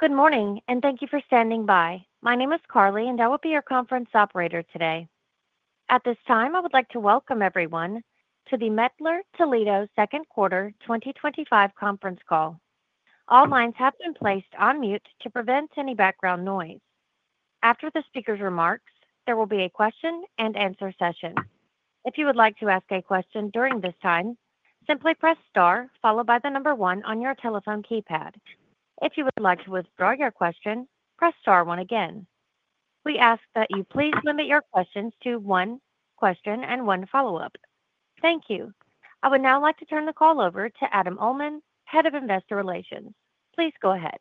Good morning and thank you for standing by. My name is Carly and I will be your conference operator today. At this time I would like to welcome everyone to the Mettler-Toledo second quarter 2025 conference call. All lines have been placed on mute to prevent any background noise. After the speaker's remarks, there will be a question-and-answer session. If you would like to ask a question during this time, simply press star followed by the number one on your telephone keypad. If you would like to withdraw your question, press star one. Again, we ask that you please limit your questions to one question and one follow-up. Thank you. I would now like to turn the call over to Adam Uhlman, Head of Investor Relations. Please go ahead.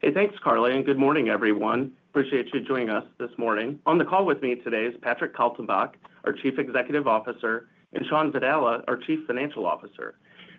Hey, thanks Carly and good morning everyone. Appreciate you joining us this morning. On the call with me today is Patrick Kaltenbach, our Chief Executive Officer, and Shawn Vadala, our Chief Financial Officer.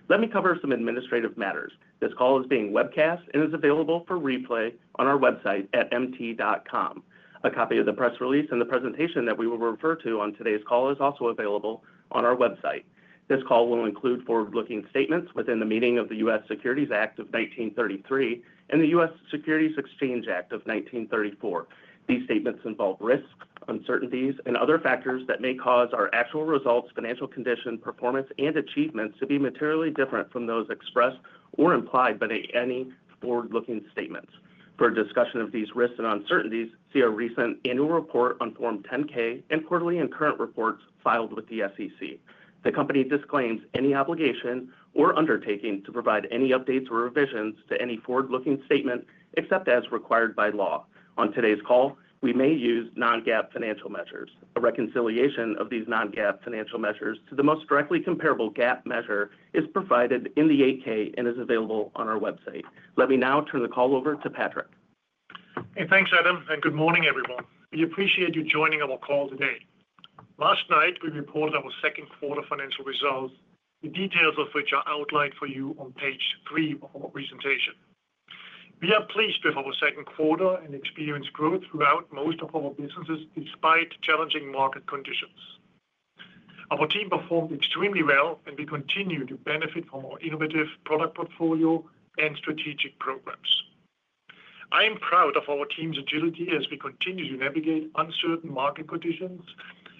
Let me cover some administrative matters. This call is being webcast and is available for replay on our website at mt.com. A copy of the press release and the presentation that we will refer to on today's call is also available on our website. This call will include forward-looking statements within the meaning of the U.S. Securities Act of 1933 and the U.S. Securities Exchange Act of 1934. These statements involve risks, uncertainties, and other factors that may cause our actual results, financial condition, performance, and achievements to be materially different from those expressed or implied by any forward-looking statements. For a discussion of these risks and uncertainties, see our recent annual report on Form 10-K and quarterly and current reports filed with the SEC. The company disclaims any obligation or undertaking to provide any updates or revisions to any forward-looking statement except as required by law. On today's call we may use non-GAAP financial measures. A reconciliation of these non-GAAP financial measures to the most directly comparable GAAP measure is provided in the 8-K and is available on our website. Let me now turn the call over to Patrick. Thanks Adam and good morning everyone. We appreciate you joining our call today. Last night we reported our second quarter financial results, the details of which are outlined for you on page three of our presentation. We are pleased with our second quarter and experienced growth throughout most of our businesses despite challenging market conditions. Our team performed extremely well, and we continue to benefit from our innovative product portfolio and strategic programs. I am proud of our team's agility as we continue to navigate uncertain market conditions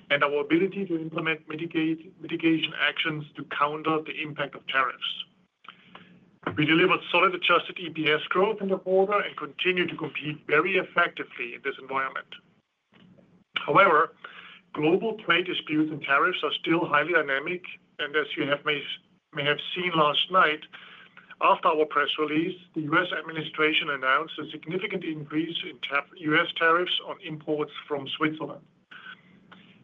and our ability to implement mitigation actions to counter the impact of tariffs. We delivered solid adjusted EPS growth in the quarter and continue to compete very effectively in this environment. However, global trade disputes and tariffs are still highly dynamic, and as you may have seen last night after our press release, the U.S. administration announced a significant increase in U.S. tariffs on imports from Switzerland.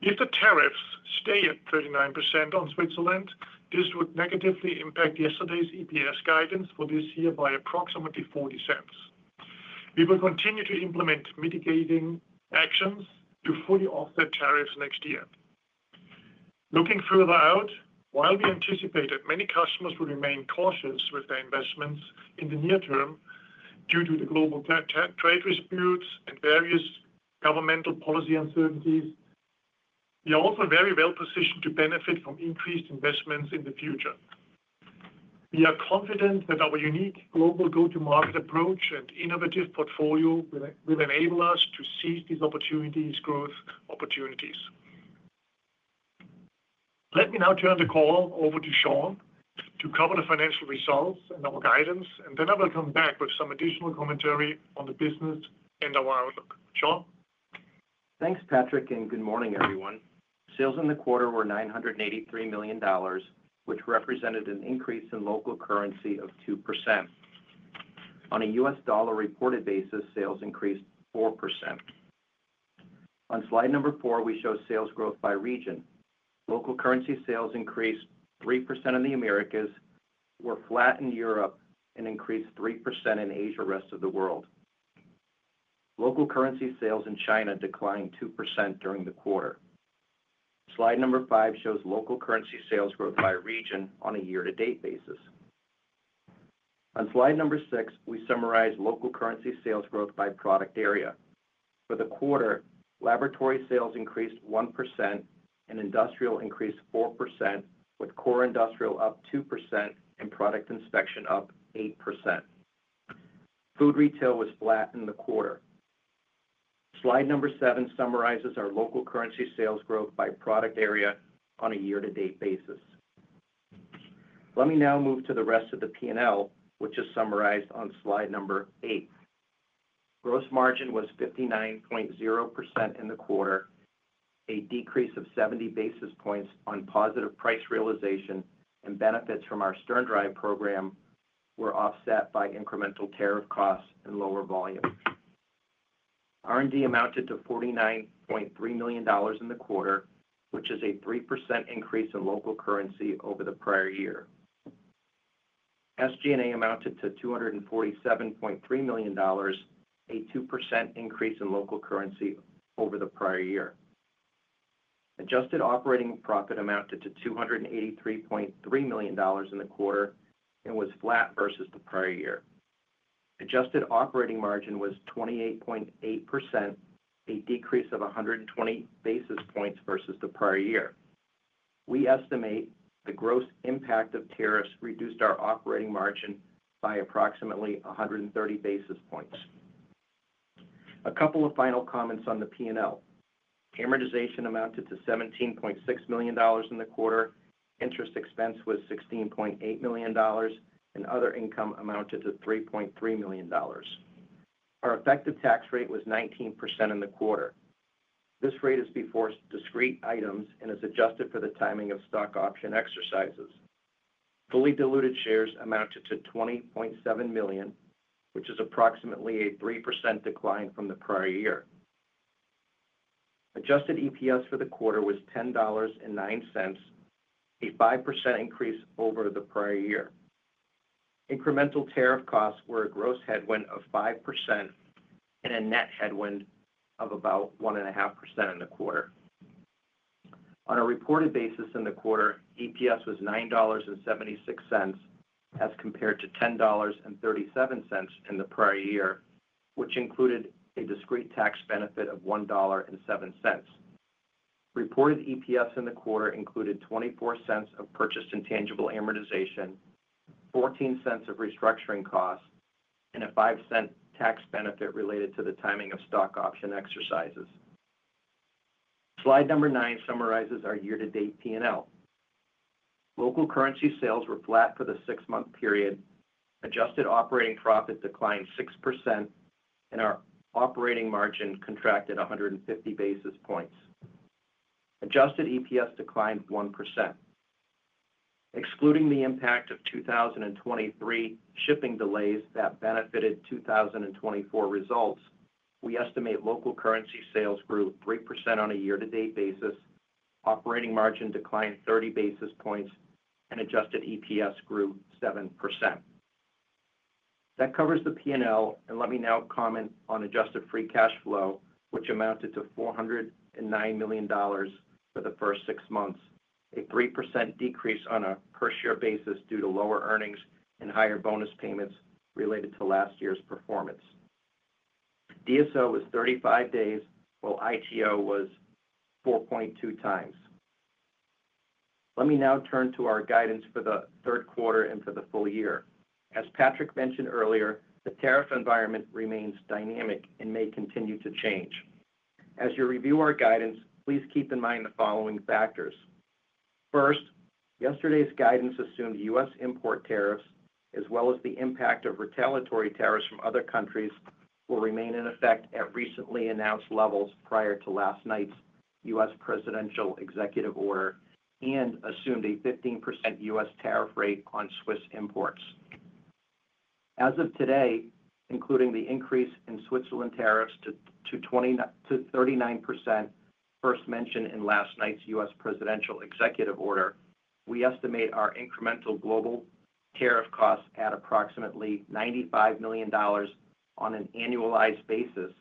If the tariffs stay at 39% on Switzerland, this would negatively impact yesterday's EPS guidance for this year by approximately $0.40. We will continue to implement mitigating actions to fully offset tariffs next year. Looking further out, while we anticipate that many customers will remain cautious with their investments in the near term due to the global trade disputes and various governmental policy uncertainties, we are also very well positioned to benefit from increased investments in the future. We are confident that our unique global go-to-market approach and innovative portfolio will enable us to seize these opportunities. Let me now turn the call over to Shawn to cover the financial results and our guidance, and then I will come back with some additional commentary on the business and our outlook. Shawn. Thanks Patrick, and good morning everyone. Sales in the quarter were $983 million, which represented an increase in local currency of 2%. On a U.S. Dollar reported basis, sales increased 4%. On slide number four, we show sales growth by region. Local currency sales increased 3% in the Americas, were flat in Europe, and increased 3% in Asia/ Rest of the World. Local currency sales in China declined 2% during the quarter. Slide number five shows local currency sales growth by region on a year-to-date basis. On slide number six, we summarize local currency sales growth by product area for the quarter. Laboratory sales increased 1%, and Industrial increased 4%, with Core Industrial up 2% and Product Inspection up 8%. Food Retail was flat in the quarter. Slide number seven summarizes our local currency sales growth by product area on a year-to-date basis. Let me now move to the rest of the P&L, which is summarized on slide number eight. Gross margin was 59.0% in the quarter, a decrease of 70 basis points on positive price realization and benefits from our SternDrive program were offset by incremental tariff costs and lower volumes. R&D amounted to $49.3 million in the quarter, which is a 3% increase in local currency over the prior year. SG&A amounted to $247.3 million, a 2% increase in local currency over the prior year. Adjusted operating profit amounted to $283.3 million in the quarter and was flat versus the prior year. Adjusted operating margin was 28.8%, a decrease of 120 basis points versus the prior year. We estimate the gross impact of tariffs reduced our operating margin by approximately 130 basis points. A couple of final comments on the P&L: amortization amounted to $17.6 million in the quarter. Interest expense was $16.8 million, and other income amounted to $3.3 million. Our effective tax rate was 19% in the quarter. This rate is before discrete items and is adjusted for the timing of stock option exercises. Fully diluted shares amounted to 20.7 million, which is approximately a 3% decline from the prior year. Adjusted EPS for the quarter was $10.09, a 5% increase over the prior year. Incremental tariff costs were a gross headwind of 5% and a net headwind of about 1.5% in the quarter. On a reported basis in the quarter, EPS was $9.76 as compared to $10.37 in the prior year, which included a discrete tax benefit of $1.07. Reported EPS in the quarter included $0.24 of purchased intangible amortization, $0.14 of restructuring costs, and a $0.05 tax benefit related to the timing of stock option exercises. Slide number nine summarizes our year-to-date P&L. Local currency sales were flat for the six-month period. Adjusted operating profit declined 6%, and our operating margin contracted 150 basis points. Adjusted EPS declined 1%, excluding the impact of 2023 shipping delays that benefited 2024 results. We estimate local currency sales grew 3% on a year-to-date basis. Operating margin declined 30 basis points, and adjusted EPS grew 7%. That covers the P&L. Let me now comment on adjusted free cash flow, which amounted to $409 million for the first six months, a 3% decrease on a per share basis due to lower earnings and higher bonus payments related to last year's performance. DSO was 35 days, while ITO was 4.2x. Let me now turn to our guidance for the third quarter and for the full year. As Patrick mentioned earlier, the tariff environment remains dynamic and may continue to change as you review our guidance. Please keep in mind the following factors. First, yesterday's guidance assumed U.S. import tariffs as well as the impact of retaliatory tariffs from other countries will remain in effect at recently announced levels prior to last night's U.S. presidential executive order and assumed a 15% U.S. tariff rate on Swiss imports as of today, including the increase in Switzerland tariffs to 39%. First mentioned in last night's U.S. presidential executive order, we estimate our incremental global tariff costs at approximately $95 million on an annualized basis,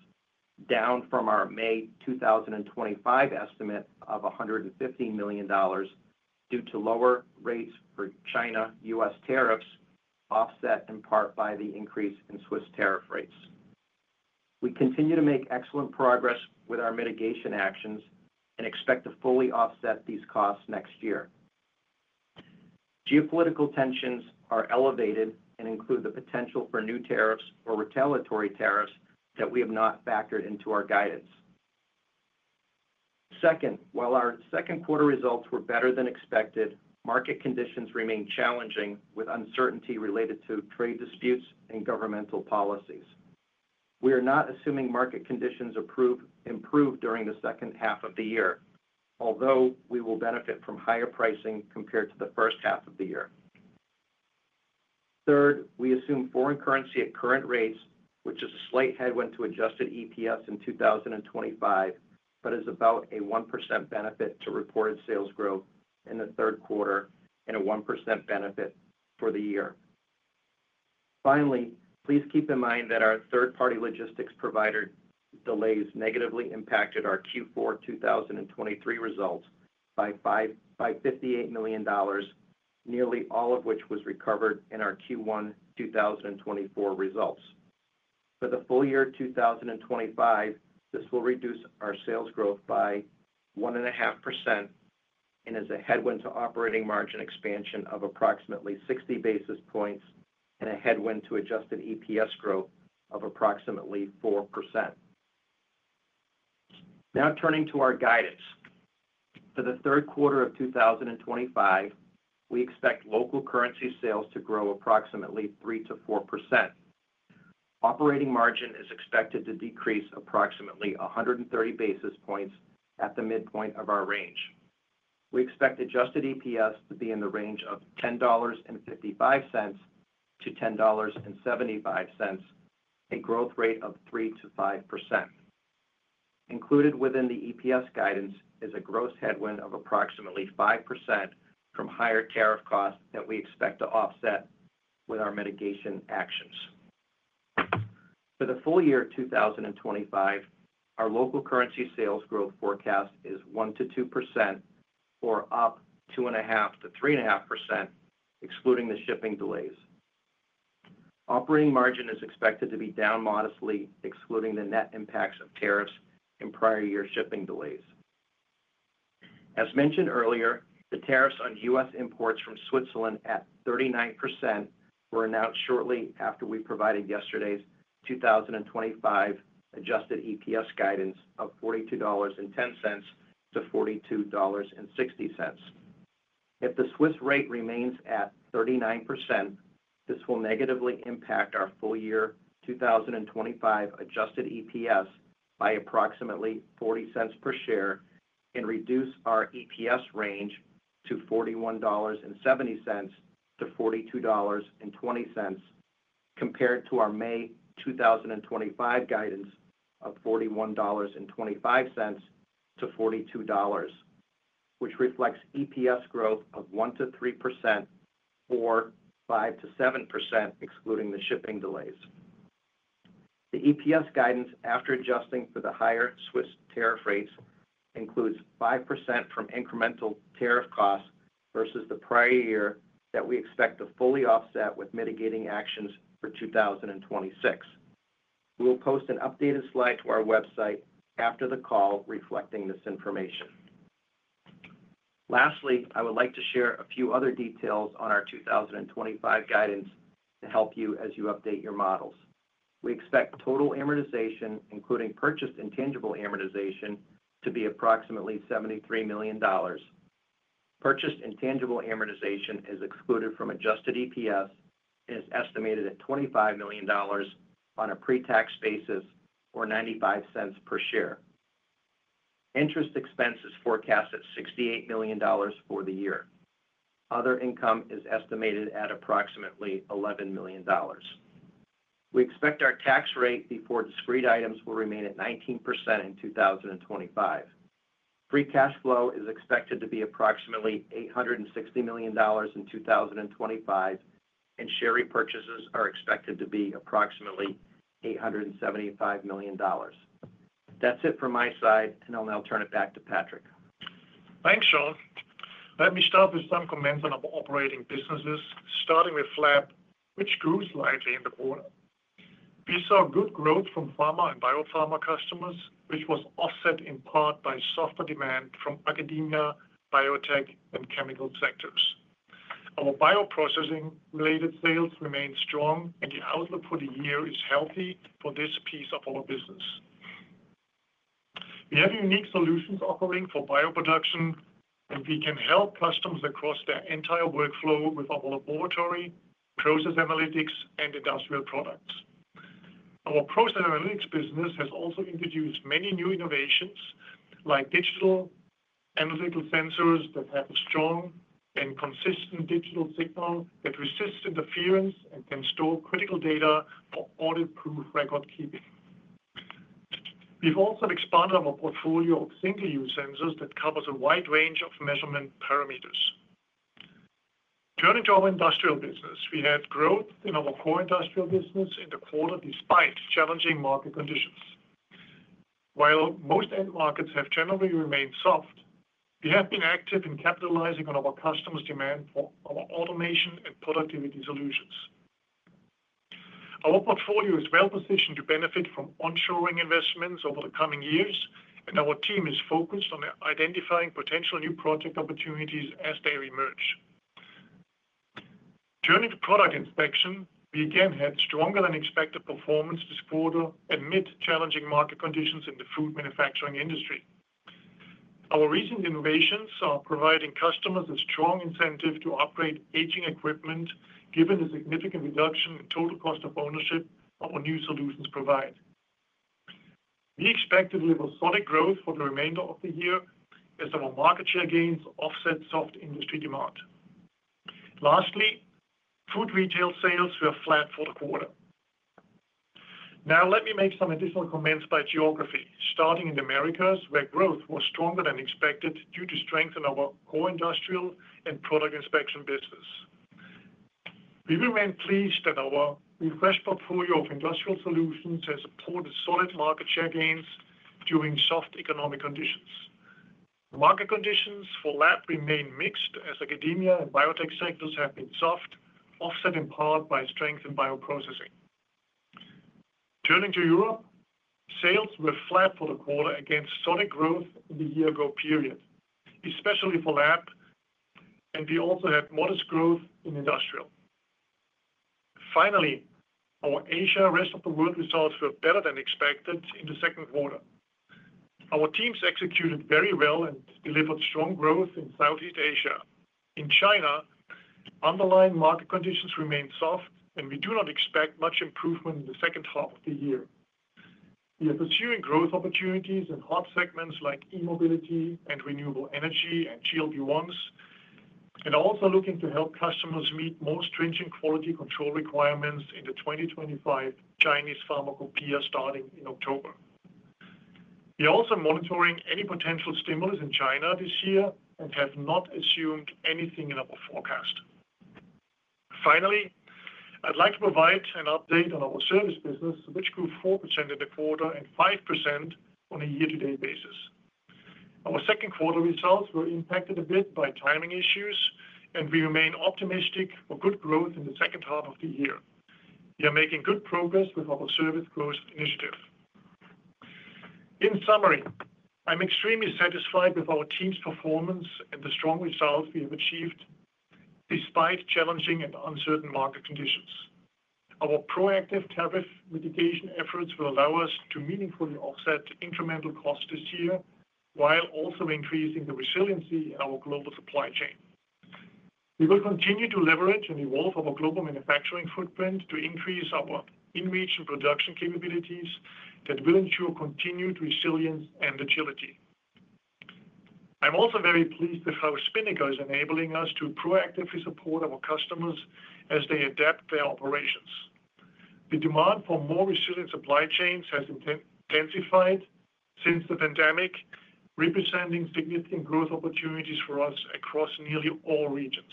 down from our May 2025 estimate of $115 million due to lower rates for China-U.S. tariffs, offset in part by the increase in Swiss tariff rates. We continue to make excellent progress with our mitigation actions and expect to fully offset these costs next year. Geopolitical tensions are elevated and include the potential for new tariffs or retaliatory tariffs that we have not factored into our guidance. Second, while our second quarter results were better than expected, market conditions remain challenging with uncertainty related to trade disputes and governmental policies. We are not assuming market conditions improve during the second half of the year, although we will benefit from higher pricing compared to the first half of the year. Third, we assume foreign currency at current rates, which is a slight headwind to adjusted EPS in 2025 but is about a 1% benefit to reported sales growth in the third quarter and a 1% benefit for the year. Finally, please keep in mind that our third party logistics provider delays negatively impacted our Q4 2023 results by $58 million, nearly all of which was recovered in our Q1 2024 results. For the full year 2025, this will reduce our sales growth by 1.5% and is a headwind to operating margin expansion of approximately 60 basis points and a headwind to adjusted EPS growth of approximately 4%. Now, turning to our guidance for the third quarter of 2025, we expect local currency sales to grow approximately 3%-4%. Operating margin is expected to decrease approximately 130 basis points. At the midpoint of our range, we expect adjusted EPS to be in the range of $10.55-$10.75, a growth rate of 3%-5%. Included within the EPS guidance is a gross headwind of approximately 5% from higher tariff costs that we expect to offset with our mitigation actions. For the full year 2025, our local currency sales growth forecast is 1%-2% or up 2.5%-3.5% excluding the shipping delays. Operating margin is expected to be down modestly excluding the net impacts of tariffs and prior year shipping delays. As mentioned earlier, the tariffs on U.S. imports from Switzerland at 39% were announced shortly after we provided yesterday's 2025 adjusted EPS guidance of $42.10 to $42.60. If the Swiss rate remains at 39%, this will negatively impact our full year 2025 adjusted EPS by approximately $0.40 per share and reduce our EPS range to $41.70 to $42.20 compared to our May 2025 guidance of $41.25 to $42.00, which reflects EPS growth of 1%-3% or 5%-7% excluding the shipping delays. The EPS guidance, after adjusting for the higher Swiss tariff rates, includes 5% from incremental tariff costs versus the prior year that we expect to fully offset with mitigating actions for 2026. We will post an updated slide to our website after the call reflecting this information. Lastly, I would like to share a few other details on our 2025 guidance to help you as you update your models. We expect total amortization, including purchased intangible amortization, to be approximately $73 million. Purchased intangible amortization, which is excluded from adjusted EPS, is estimated at $25 million on a pre-tax basis or $0.95 per share. Interest expense is forecast at $68 million for the year. Other income is estimated at approximately $11 million. We expect our tax rate before discrete items will remain at 19% in 2025. Free cash flow is expected to be approximately $860 million in 2025 and share repurchases are expected to be approximately $875 million. That's it from my side, and I'll now turn it back to Patrick. Thanks, Shawn. Let me start with some comments on our operating businesses. Starting with Lab, which grew slightly in the quarter, we saw good growth from pharma and biopharma customers which was offset in part by softer demand from academia, biotech, and chemical sectors. Our bioprocessing-related sales remain strong and the outlook for the year is healthy for this piece of our business. We have a unique solutions offering for bioproduction and we can help customers across their entire workflow with our laboratory, process analytics, and industrial products. Our Process Analytics business has also introduced many new innovations like digital analytical sensors that have a strong and consistent digital signal that resists interference and can store critical data for audit-proof record keeping. We've also expanded our portfolio of single-use sensors that covers a wide range of measurement parameters. Turning to our Industrial business, we had growth in our Core Industrial business in the quarter despite challenging market conditions. While most end markets have generally remained soft, we have been active in capitalizing on our customers' demand for our automation and productivity solutions. Our portfolio is well positioned to benefit from onshoring investments over the coming years and our team is focused on identifying potential new project opportunities as they emerge. Turning to Product Inspection, we again had stronger than expected performance this quarter amid challenging market conditions in the food manufacturing industry. Our recent innovations are providing customers a strong incentive to upgrade aging equipment. Given the significant reduction in total cost of ownership of what new solutions provide, we expect to deliver solid growth for the remainder of the year as our market share gains offset soft industry demand. Lastly, Food Retail sales were flat for the quarter. Now let me make some additional comments by geography. Starting in the Americas, where growth was stronger than expected due to strength in our Core Industrial and Product Inspection business, we remain pleased that our refreshed portfolio of industrial solutions has supported solid market share gains during soft economic conditions. Market conditions for Lab remain mixed as academia and biotech sectors have been soft, offset in part by strength in bioprocessing. Turning to Europe, sales were flat for the quarter against solid growth in the year-ago period, especially for Lab, and we also had modest growth in Industrial. Finally, our Asia/Rest of the World results were better than expected in the second quarter. Our teams executed very well and delivered strong growth in Southeast Asia. In China, underlying market conditions remain soft, and we do not expect much improvement in the second half of the year. We are pursuing growth opportunities in hot segments like e-mobility and renewable energy and GLP-1s, and also looking to help customers meet more stringent quality control requirements in the 2024 Chinese pharmacopeia starting in October. We are also monitoring any potential stimulus in China this year and have not assumed anything in our forecast. Finally, I'd like to provide an update on our Service business, which grew 4% in the quarter and 5% on a year-to-date basis. Our second quarter results were impacted a bit by timing issues, and we remain optimistic for good growth in the second half of the year. We are making good progress with our service growth initiative. In summary, I'm extremely satisfied with our team's performance and the strong results we have achieved despite challenging and uncertain market conditions. Our proactive tariff mitigation efforts will allow us to meaningfully offset incremental costs this year while also increasing the resiliency in our global supply chain. We will continue to leverage and evolve our global manufacturing footprint to increase our in-region production capabilities that will ensure continued resilience and agility. I'm also very pleased with how Spinnaker is enabling us to proactively support our customers as they adapt their operations. The demand for more resilient supply chains has intensified since the pandemic, representing significant growth opportunities for us across nearly all regions.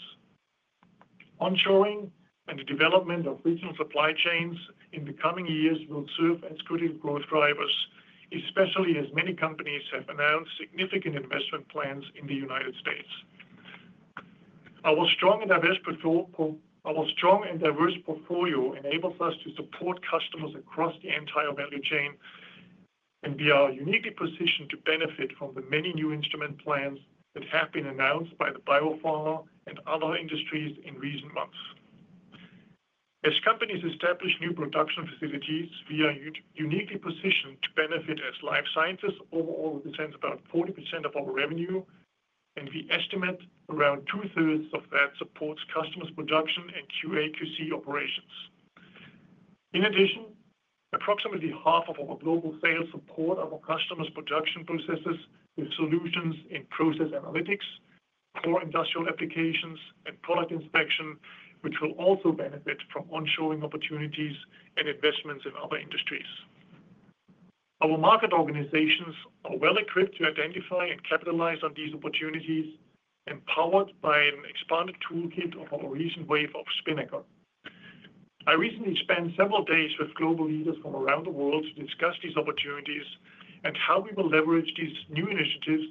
Onshoring and the development of regional supply chains in the coming years will serve as critical growth drivers, especially as many companies have announced significant investment plans in the U.S. Our strong and diverse portfolio enables us to support customers across the entire value chain, and we are uniquely positioned to benefit from the many new instrument plans that have been announced by the biopharma and other industries in recent months as companies establish new production facilities. We are uniquely positioned to benefit as life scientists. Overall represents about 40% of our revenue and we estimate around 2/3 of that supports customers' production and QA QC operations. In addition, approximately half of our global sales support our customers' production processes with solutions in Process Analytics, Core Industrial applications, and Product Inspection, which will also benefit from onshoring opportunities and investments in other industries. Our market organizations are well equipped to identify and capitalize on these opportunities, empowered by an expanded toolkit of our recent wave of Spinnaker. I recently spent several days with global leaders from around the world to discuss these opportunities and how we will leverage these new initiatives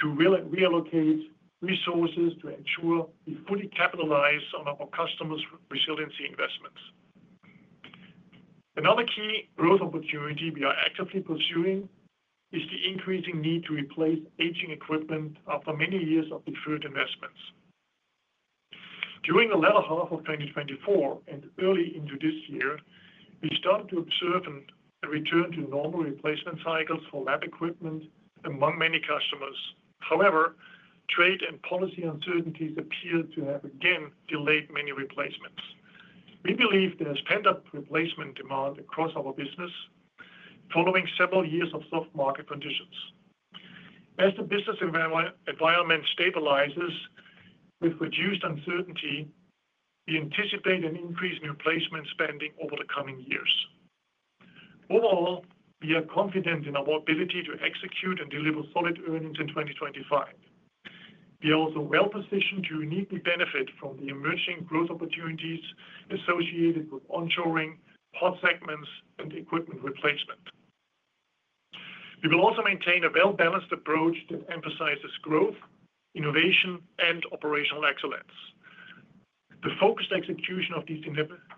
to reallocate resources to ensure we fully capitalize on our customers' resiliency investments. Another key growth opportunity we are actively pursuing is the increasing need to replace aging equipment. After many years of deferred investments during the latter half of 2024 and early into this year, we started to observe a return to normal replacement cycles for lab equipment among many customers. However, trade and policy uncertainties appear to have again delayed many replacements. We believe there has been pent-up replacement demand across our business following several years of soft market conditions. As the business environment stabilizes with reduced uncertainty, we anticipate an increase in replacement spending over the coming years. Overall, we are confident in our ability to execute and deliver solid earnings in 2025. We are also well positioned to uniquely benefit from the emerging growth opportunities associated with onshoring hot segments and equipment replacement. We will also maintain a well-balanced approach that emphasizes growth, innovation, and operational excellence. The focused execution of these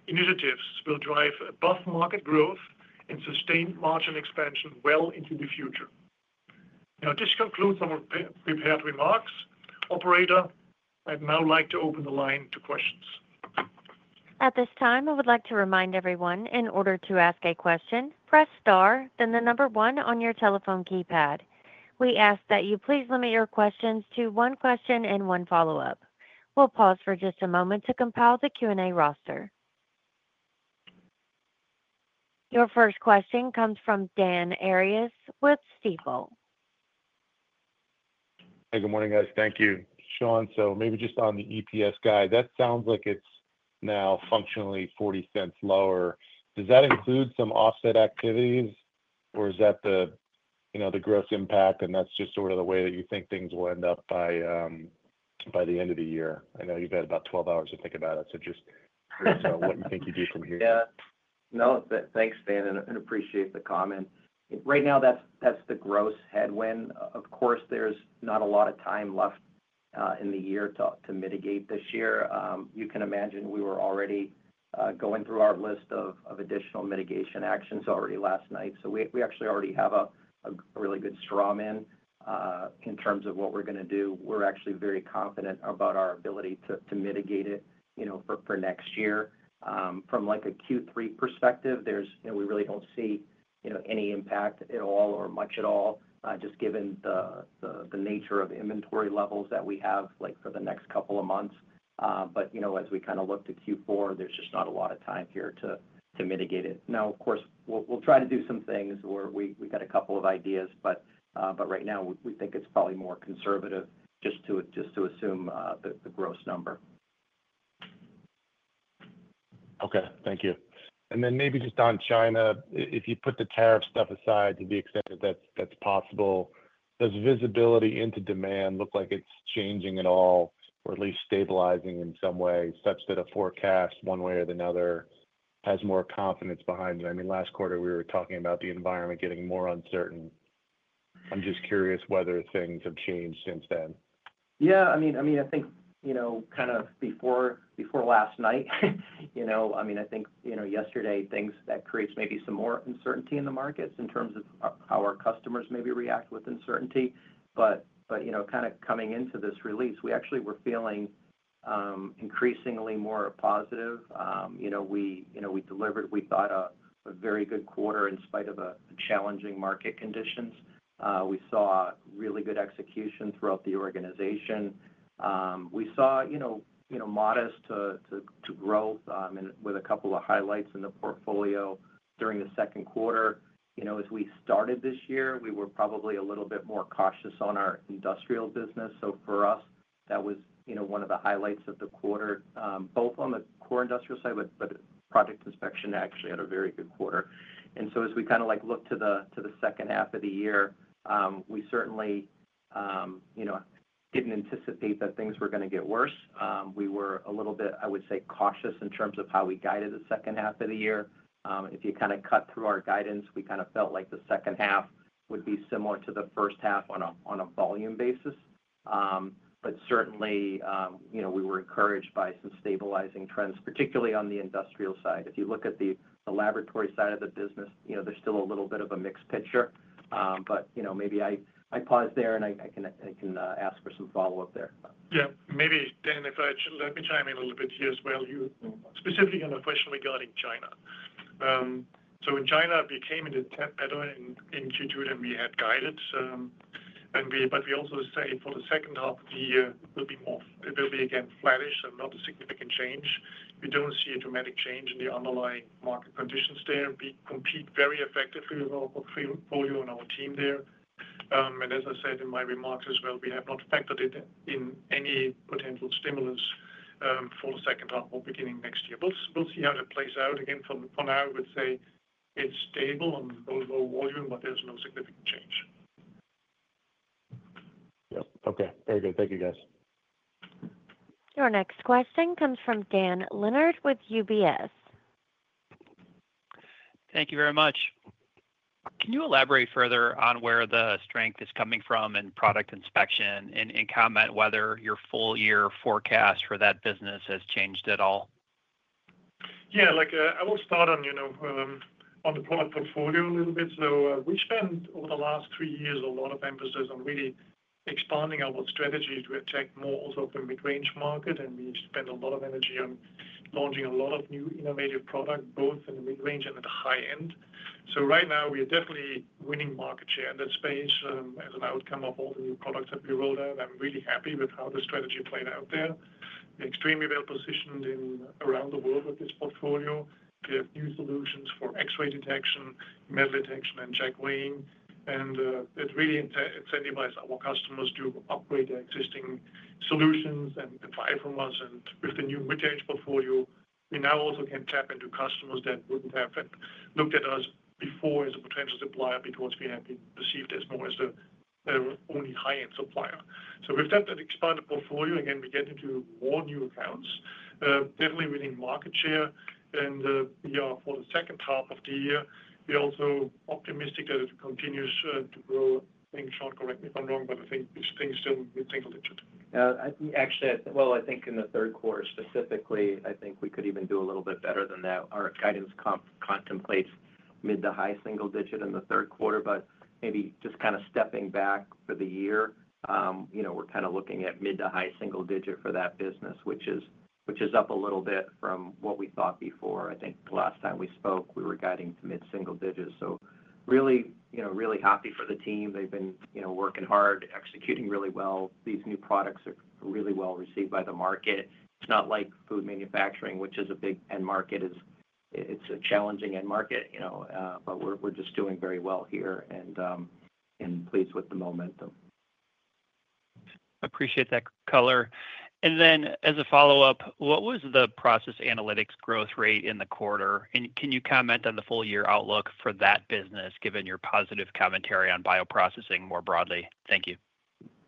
initiatives will drive above-market growth and sustained margin expansion well into the future. Now this concludes our prepared remarks. Operator, I'd now like to open the line to questions. At this time I would like to remind everyone in order to ask a question please press star, then the number one on your telephone keypad. We ask that you please limit your questions to one question and one follow-up. We'll pause for just a moment to compile the Q&A roster. Your first question comes from Dan Arias with Stifel. Hey, good morning guys. Thank you, Shawn. Maybe just on the adjusted EPS guide. That sounds like it's now functionally $0.40 lower. Does that include some offset activities or is that the, you know, the gross impact and that's just sort of the way that you think things will end up by the end of the year? I know you've had about 12 hours to think about it, so just what you think you do from here? Yeah, no, thanks, Dan, and appreciate the comment. Right now, that's the gross headwind. Of course, there's not a lot of time left in the year to mitigate this year. You can imagine we were already going through our list of additional mitigation actions already last night. We actually already have a really good strawman in terms of what we're going to do. We're actually very confident about our ability to mitigate it for next year from like a Q3 perspective. There's, you know, we really don't see any impact at all or much at all, just given the nature of inventory levels that we have for the next couple of months. As we kind of look to Q4, there's just not a lot of time here to mitigate it. Of course, we'll try to do some things where we got a couple of ideas, but right now we think it's probably more conservative just to assume the gross number. Okay, thank you. Maybe just on China, if you put the tariff stuff aside to the extent that that's possible, does visibility into demand look like it's changing at all or at least stabilizing in some way such that a forecast one way or another has more confidence behind it? I mean, last quarter we were talking about the environment getting more uncertain. I'm just curious whether things have changed since then. I think before last night, I think yesterday, things created maybe some more uncertainty in the markets in terms of how our customers maybe react with uncertainty. Coming into this release, we actually were feeling increasingly more positive. We delivered, we thought, a very good quarter in spite of challenging market conditions. We saw really good execution throughout the organization. We saw modest growth with a couple of highlights in the portfolio during the second quarter. As we started this year, we were probably a little bit more cautious on our industrial business. For us, that was one of the highlights of the quarter, both on the core industrial side. Product Inspection actually had a very good quarter. As we look to the second half of the year, we certainly didn't anticipate that things were going to get worse. We were a little bit, I would say, cautious in terms of how we guided the second half of the year. If you cut through our guidance, we felt like the second half would be similar to the first half on a volume basis. We were encouraged by some stabilizing trends, particularly on the industrial side. If you look at the Laboratory side of the business, there's still a little bit of a mixed picture. Maybe I pause there and I can ask for some follow up there. Yeah, maybe Dan, if I should. Let me chime in a little bit here as well. Specifically on the question regarding China. In China, it became better in Q2 than we had guided. We also say for the second half of the year it will be again flattish and not a significant change. We don't see a dramatic change in the underlying market conditions there. We compete very effectively with our portfolio and our team there. As I said in my remarks as well, we have not factored in any potential stimulus for the second half or beginning next year. We'll see how that plays out. For now, I would say it's stable and low volume, but there's no significant change. Yep. Okay, very good. Thank you, guys. Your next question comes from Dan Leonard with UBS. Thank you very much. Can you elaborate further on where the strength is coming from in Product Inspection and comment whether your full year forecast for that business has changed? Yeah, I will start on the product portfolio a little bit. We spend over the last three years a lot of emphasis on really expanding our strategy to attack more also the mid-range market. We spend a lot of energy on launching a lot of new innovative products both in the mid range and at the high end. Right now we are definitely winning market share in that space as an outcome of all the new products that we rolled out. I'm really happy with how the strategy played out there. Extremely well positioned around the world with this portfolio, we have new solutions for X-ray detection, metal detection, and checkweighing, and it really incentivizes our customers to upgrade their existing solutions and buy from us. With the new mid range portfolio, we now also can tap into customers that wouldn't have looked at us before as a potential supplier because we have been perceived as more as the only high-end supplier. With that expanded portfolio, we get into more new accounts, certainly winning market share. For the second half of the year, we are also optimistic that it continues to grow. Correct me if I'm wrong, but I think a little actually. I think in the third quarter specifically, I think we could even do a little bit better than that. Our guidance contemplates mid to high single digit in the third quarter. Maybe just kind of stepping back for the year, we're kind of looking at mid to high single digit for that business, which is up a little bit from what we thought before. I think last time we spoke, we were guiding to mid single digits. Really happy for the team. They've been working hard, executing really well. These new products are really well received by the market. It's not like food manufacturing, which is a big end market. It's a challenging end market, but we're just doing very well here and pleased with the momentum. Appreciate that color. As a follow up, what was the Process Analytics growth rate in the quarter and can you comment on the full year outlook for that business given your positive commentary on bioprocessing more broadly? Thank you.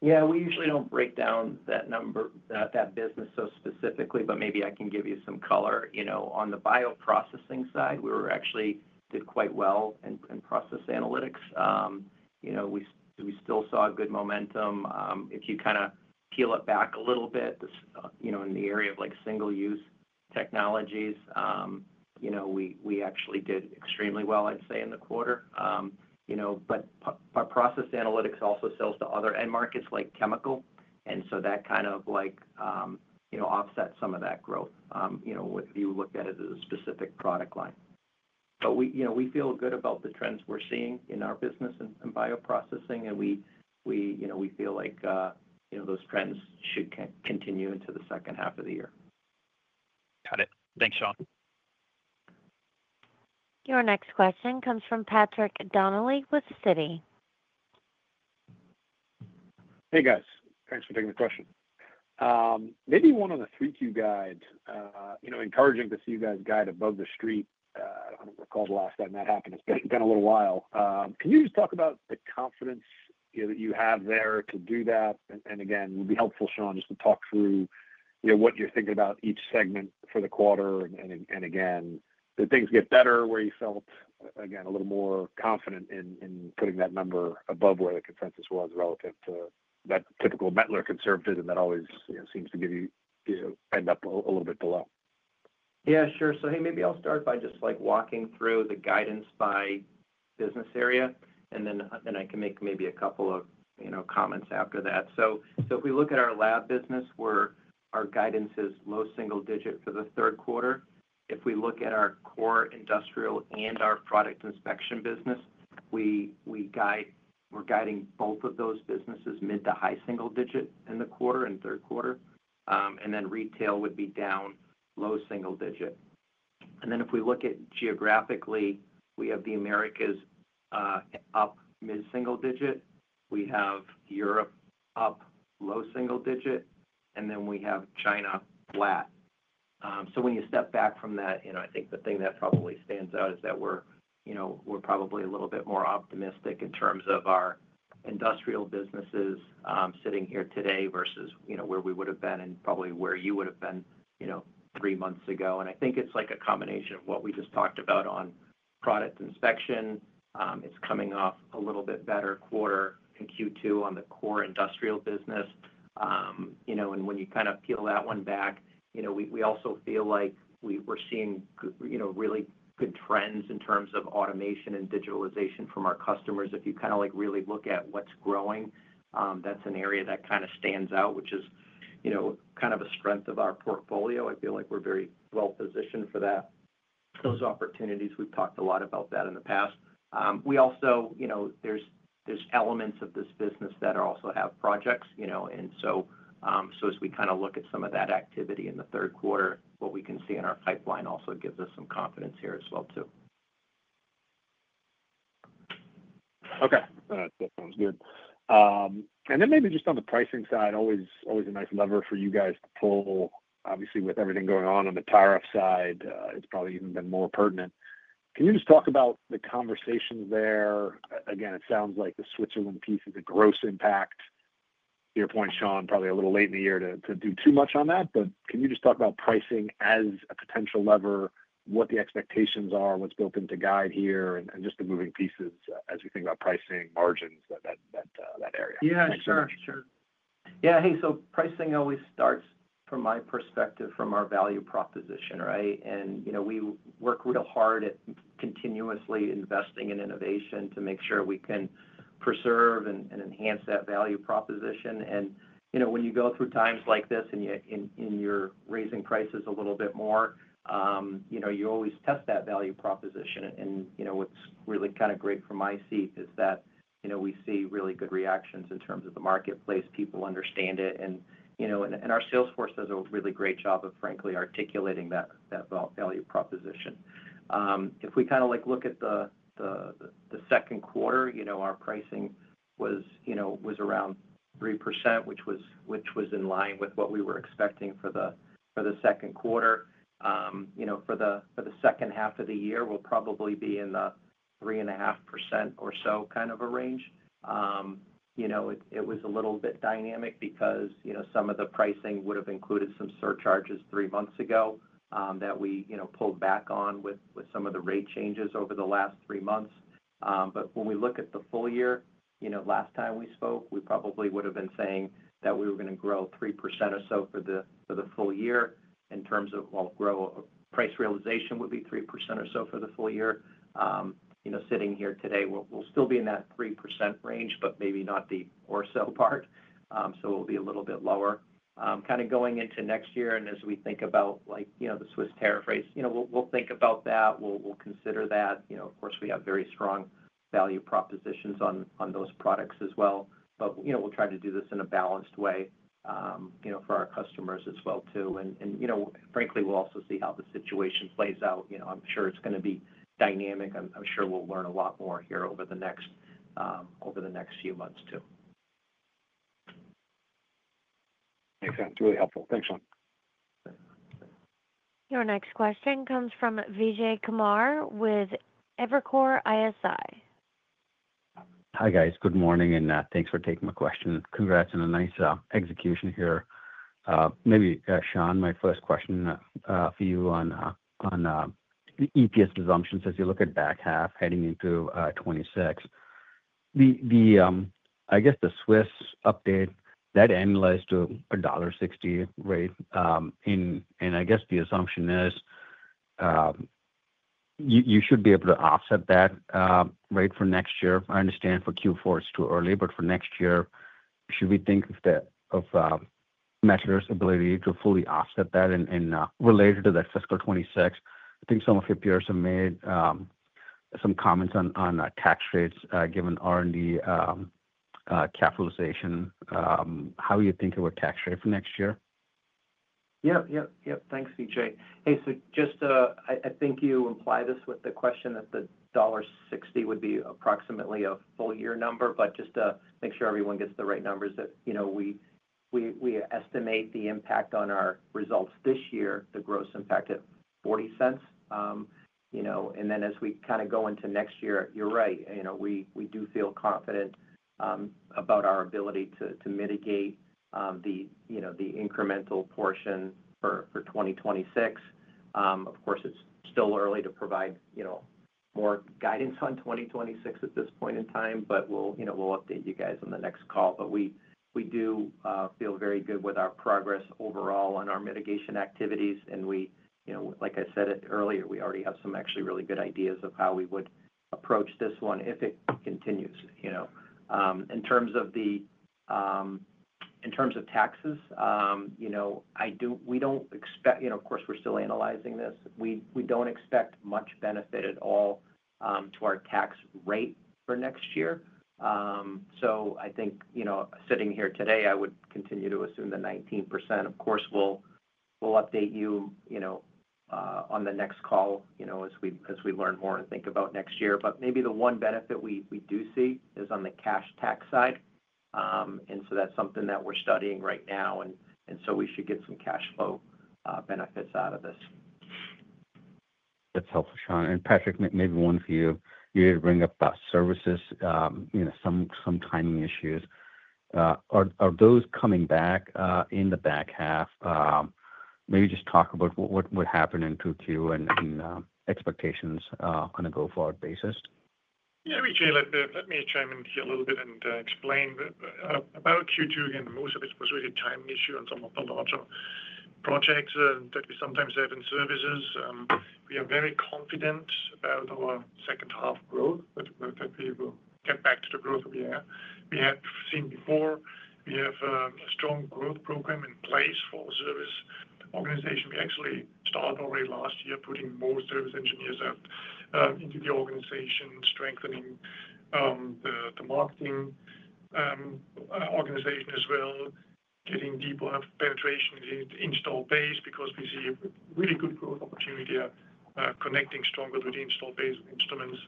Yeah, we usually don't break down that number, that business so specifically. Maybe I can give you some color. On the bioprocessing side, we actually did quite well in Process Analytics. We still saw good momentum. If you kind of peel it back a little bit, in the area of single-use technologies, we actually did extremely well, I'd say, in the quarter. Process Analytics also sells to other end markets like chemical, and so that kind of offsets some of that growth. You look at it as a specific product line, but we feel good about the trends we're seeing in our business and bioprocessing, and we feel like those trends should continue into the second half of the year. Got it. Thanks, Shawn. Your next question comes from Patrick Donnelly with Citi. Hey guys, thanks for taking the question. Maybe one on the 3Q guide, you know, encouraging to see you guys guide above the street. I don't recall the last time that happened. It's been a little while. Can you just talk about the confidence that you have there to do that? Again, would be helpful, Shawn, just to talk through what you're thinking about each segment for the quarter. Did things get better where you felt again a little more confident in putting that number above where the consensus was relative to that typical Mettler conservatism that always seems to give you end up a little bit below. Yeah, sure. Maybe I'll start by just walking through the guidance by business area and then I can make maybe a couple of comments after that. If we look at our Laboratory business where our guidance is low single digit for the third quarter, if we look at our core industrial and our Product Inspection business, we're guiding both of those businesses mid to high single digit in the quarter and third quarter. Retail would be down low single digit. If we look at geographically, we have the Americas up mid single digit, we have Europe up low single digit, and then we have China flat. When you step back from that, I think the thing that probably stands out is that we're probably a little bit more optimistic in terms of our industrial businesses sitting here today versus where we would have been and probably where you would have been three months ago. I think it's a combination of what we just talked about on Product Inspection. It's coming off a little bit better quarter in Q2 on the Core Industrial business, and when you kind of peel that one back, we also feel like we're seeing really good trends in terms of automation and digitalization from our customers. If you really look at what's growing, that's an area that kind of stands out, which is a strength of our portfolio. I feel like we're very well positioned for those opportunities. We've talked a lot about that in the past. There are elements of this business that also have projects, and as we look at some of that activity in the third quarter, what we can see in our pipeline also gives us some confidence here as well. Okay, that sounds good. Maybe just on the pricing side, always a nice lever for you guys to pull. Obviously, with everything going on on the tariff side, it's probably even been more pertinent. Can you just talk about the conversations there? Again, it sounds like the Switzerland piece is a gross impact to your point, Shawn. Probably a little late in the year to do too much on that. Can you just talk about pricing as a potential leverage, what the expectations are, what's built into guide here, and the moving pieces as we think about pricing margins, that area. Yeah, sure. Yeah. Hey, so pricing always starts from my perspective, from our value proposition. Right. You know, we work real hard at continuously investing in innovation to make sure we can preserve and enhance that value proposition. When you go through times like this and you're raising prices a little bit more, you always test that value proposition. What's really kind of great from my seat is that we see really good reactions in terms of the marketplace. People understand it, and our sales force does a really great job of frankly articulating that value proposition. If we look at the second quarter, our pricing was around 3%, which was in line with what we were expecting for the second quarter. For the second half of the year, we'll probably be in the 3.5% or so kind of a range. It was a little bit dynamic because some of the pricing would have included some surcharges three months ago that we pulled back on with some of the rate changes over the last three months. When we look at the full year, last time we spoke, we probably would have been saying that we were going to grow 3% for the full year in terms of, well, price realization would be 3% for the full year. Sitting here today, we'll still be in that 3% range, but maybe not the or so part. It'll be a little bit lower going into next year. As we think about the Swiss tariff rates, we'll think about that. We'll consider that. Of course, we have very strong value propositions on those products as well. We'll try to do this in a balanced way for our customers as well, too. Frankly, we'll also see how the situation plays out. I'm sure it's going to be dynamic. I'm sure we'll learn a lot more here over the next few months, too. Makes sense. Really helpful. Thanks, Shawn. Your next question comes from Vijay Kumar with Evercore ISI. Hi guys. Good morning and thanks for taking my question. Congrats on a nice execution here. Maybe, Shawn, my first question for you on EPS presumptions, as you look at back half heading into 2026, the, I guess the Swiss update that analyzed to a $1.60 rate in and I guess the assumption is you should be able to offset that, right? For next year, I understand for Q4, it's too early, but for next year, should we think of that, of Mettler-Toledo's ability to fully offset that? And related to that, fiscal 2026, I think some of your peers have made some comments on tax rates given R&D capitalization, how you think of a tax rate for next year? Yeah. Yep. Yep. Thanks, Vijay. Hey, so just, I think you imply this with the question that the $1.60 would be approximately a full year number. Just to make sure everyone gets the right numbers, we estimate the impact on our results this year, the gross impact at $0.40, and then as we kind of go into next year. You're right, we do feel confident about our ability to mitigate the incremental portion for 2026. Of course, it's still early to provide more guidance on 2026 at this point in time. We'll update you guys on the next call. We do feel very good with our progress overall on our mitigation activities. Like I said earlier, we already have some actually really good ideas of how we would approach this one if it continues. In terms of taxes, we don't expect, of course we're still analyzing this, we don't expect much benefit at all to our tax rate for next year. Sitting here today, I would continue to assume the 19%. Of course, we'll update you on the next call as we learn more and think about next year. Maybe the one benefit we do see is on the cash tax side, and that's something that we're studying right now. We should get some cash flow benefits out of this. That's helpful. Shawn and Patrick, maybe one for you. You bring up about services, some timing issues. Are those coming back in the back half? Maybe just talk about what would happen in 2Q and expectations on a go-forward basis. Yeah. Vijay, let me chime in here a little bit and explain about Q2 again. Most of it was really a timing issue on some of the larger projects that we sometimes have in services. We are very confident about our second half growth that we will get back to the growth we have. We have seen before. We have a strong growth program in place for service organization. We actually started already last year putting more service engineers up into the organization, strengthening the marketing organization as well, getting deeper penetration installed base because we see really good growth opportunity connecting stronger with installed base instruments.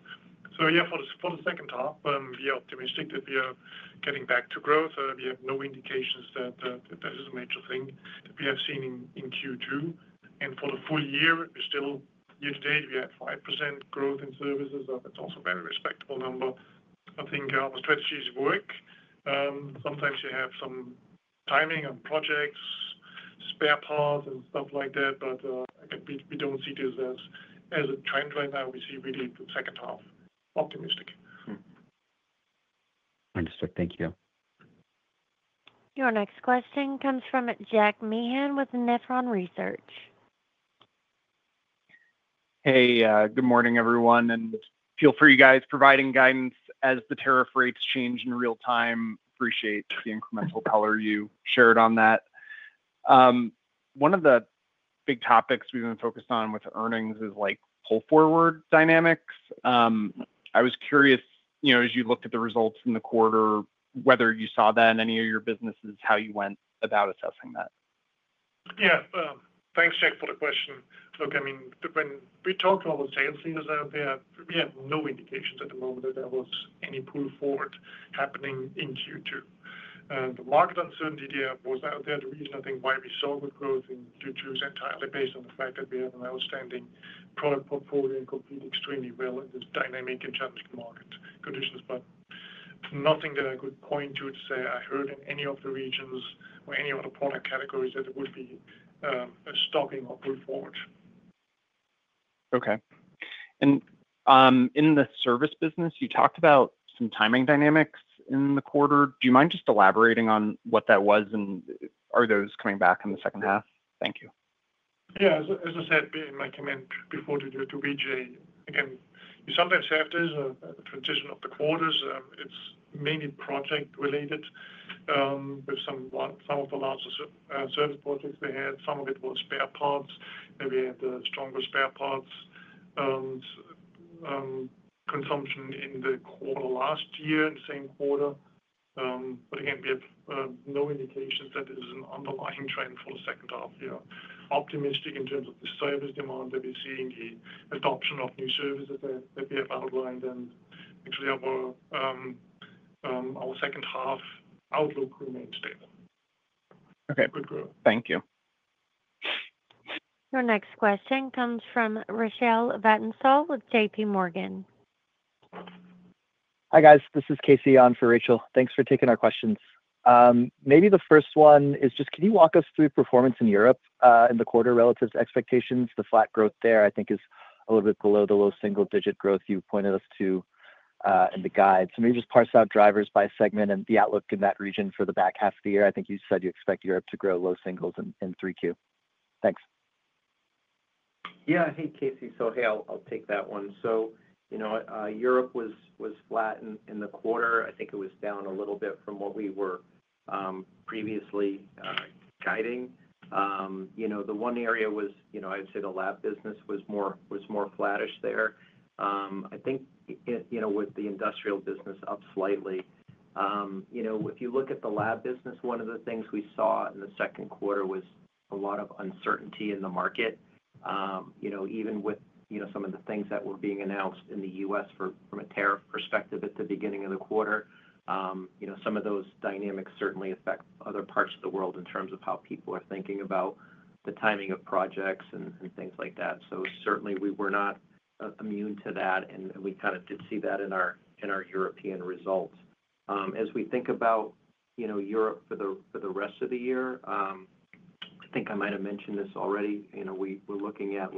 For the second half we are optimistic that we are getting back to growth. We have no indications that this is a major thing that we have seen in Q2. For the full year we're still year-to-date we had 5% growth in services. That's also very respectable number. I think our strategies work. Sometimes you have some timing on projects, spare parts and stuff like that. We don't see this as a trend right now. We see really second half optimistic. Thank you. Your next question comes from Jack Meehan with Nephron Research. Hey, good morning everyone, and feel free, guys. Providing guidance as the tariff rates change in real time. Appreciate the incremental color you shared on that. One of the big topics we've been focused on with earnings is like pull forward dynamics. I was curious, you know, as you looked at the results in the quarter, whether you saw that in any of your businesses, how you went about assessing that. Yeah, thanks, Jack, for the question. Look, I mean, when we talk to all the sales leaders out there, we have no indications at the moment that there was any pull forward happening in Q2, and the market uncertainty there was out there to be, I think, why we saw the growth in Q2 is entirely based on the fact that we have an outstanding product portfolio and compete extremely well in these dynamic and challenging market conditions. Nothing that I could point to to say I heard in any of the regions or any other product categories that it would be a stopping or pull forward. Okay. In the service business, you talked about some timing dynamics in the quarter. Do you mind just elaborating on what that was, and are those coming back in the second half? Thank you. As I said, my comment before to Vijay. You. Sometimes have this transition of the quarters. It's mainly project related with some of the largest service projects they had. Some of it was spare parts, maybe the stronger spare parts consumption in the quarter last year in the same quarter. We have no indications that this is an underlying trend for the second half. We are optimistic in terms of the service demand that we're seeing, the adoption of new services that we have outlined. Actually, our second half outlook remains stable. Okay, thank you. Your next question comes from Rachel Vatnsdal with JPMorgan. Hi guys, this is Casey on for Rachel. Thanks for taking our questions. Maybe the first one is just can you walk us through performance in Europe in the quarter relative to expectations? The flat growth there I think is a little bit below the low single-digit growth you pointed us to in the guide. Maybe just parse out drivers by segment and the outlook in that region for the back half of the year. I think you said you expect Europe to grow low singles in 3Q. Thanks. Yeah. Hey, Casey. I'll take that one. Europe was flat in the quarter. I think it was down a little bit from what we were previously guiding. The one area was, I'd say the Laboratory business was more flattish there, with the Industrial business up slightly. If you look at the Laboratory business, one of the things we saw in the second quarter was a lot of uncertainty in the market, even with some of the things that were being announced in the U.S. from a tariff perspective at the beginning of the quarter. Some of those dynamics certainly affect other parts of the world in terms of how people are thinking about the timing of projects and things like that. We were not immune to that and we did see that in our European results. As we think about Europe for the rest of the year, I think I might have mentioned this already. We're looking at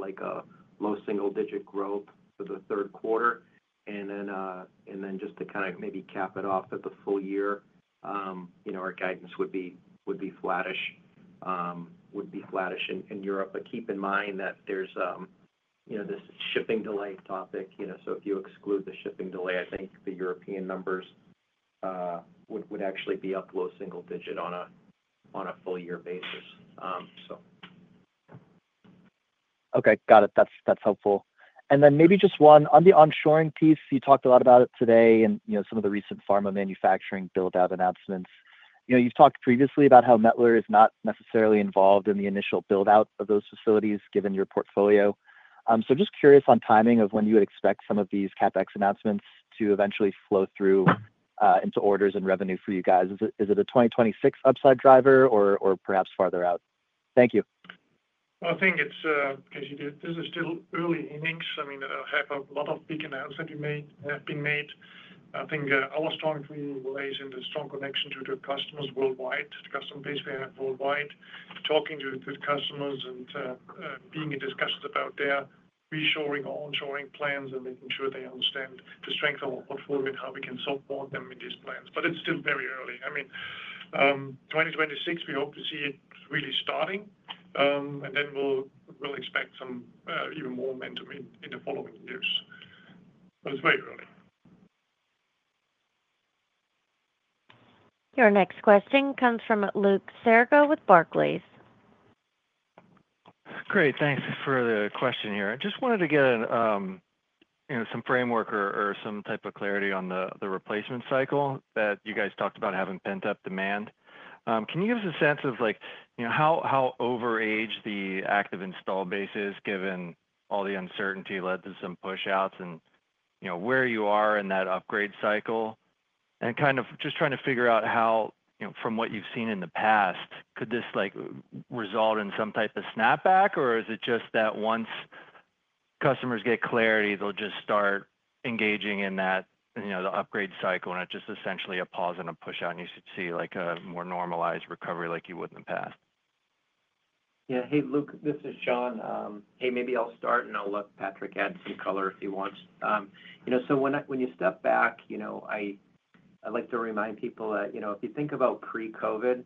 low single-digit growth for the third quarter and then to cap it off at the full year, our guidance would be flattish in Europe. Keep in mind that there's this shipping delay topic. If you exclude the shipping delay, I think European numbers would actually be up low single digit on a full year basis. Okay, got it. That's helpful. Maybe just one on the onshoring piece. You talked a lot about it today and some of the recent pharma manufacturing build out announcements. You've talked previously about how Mettler is not necessarily involved in the initial build out of those facilities given your portfolio. Just curious on timing of when you would expect some of these CapEx announcements to eventually flow through into orders and revenue for you guys. Is it a 2026 upside driver or perhaps farther out? Thank you. I think it's still early innings. I mean, there have been a lot of big announcements that have been made. I think our strong dream relies on the strong connection to the customers worldwide, the customer base we have worldwide, talking to customers and being in discussions about their reshoring or onshoring plans and making sure they understand the strength of our portfolio and how we can support them in these plans. It's still very early. I mean, in 2026, we hope to see it really starting, and then we'll expect some even more momentum in the following years. It's very early. Your next question comes from Luke Sergott with Barclays. Great, thanks for the question here. I just wanted to get some framework or some type of clarity on the replacement cycle that you guys talked about having pent-up replacement demand. Can you give us a sense of, like, you know, how overage the active install base is given all the uncertainty led to some pushouts and, you know, where you are in that upgrade cycle? I'm kind of just trying to figure out how, from what you've seen in the past, could this result in some type of snapback, or is it just that once customers get clarity, they'll just start engaging in the upgrade cycle, and it's just essentially a pause and a pushout, and you should see a more normalized recovery like you would in the past? Yeah. Hey, Luke, this is Shawn. Hey. Maybe I'll start and I'll let Patrick add some color if he wants. When you step back, I like to remind people that if you think about pre-COVID,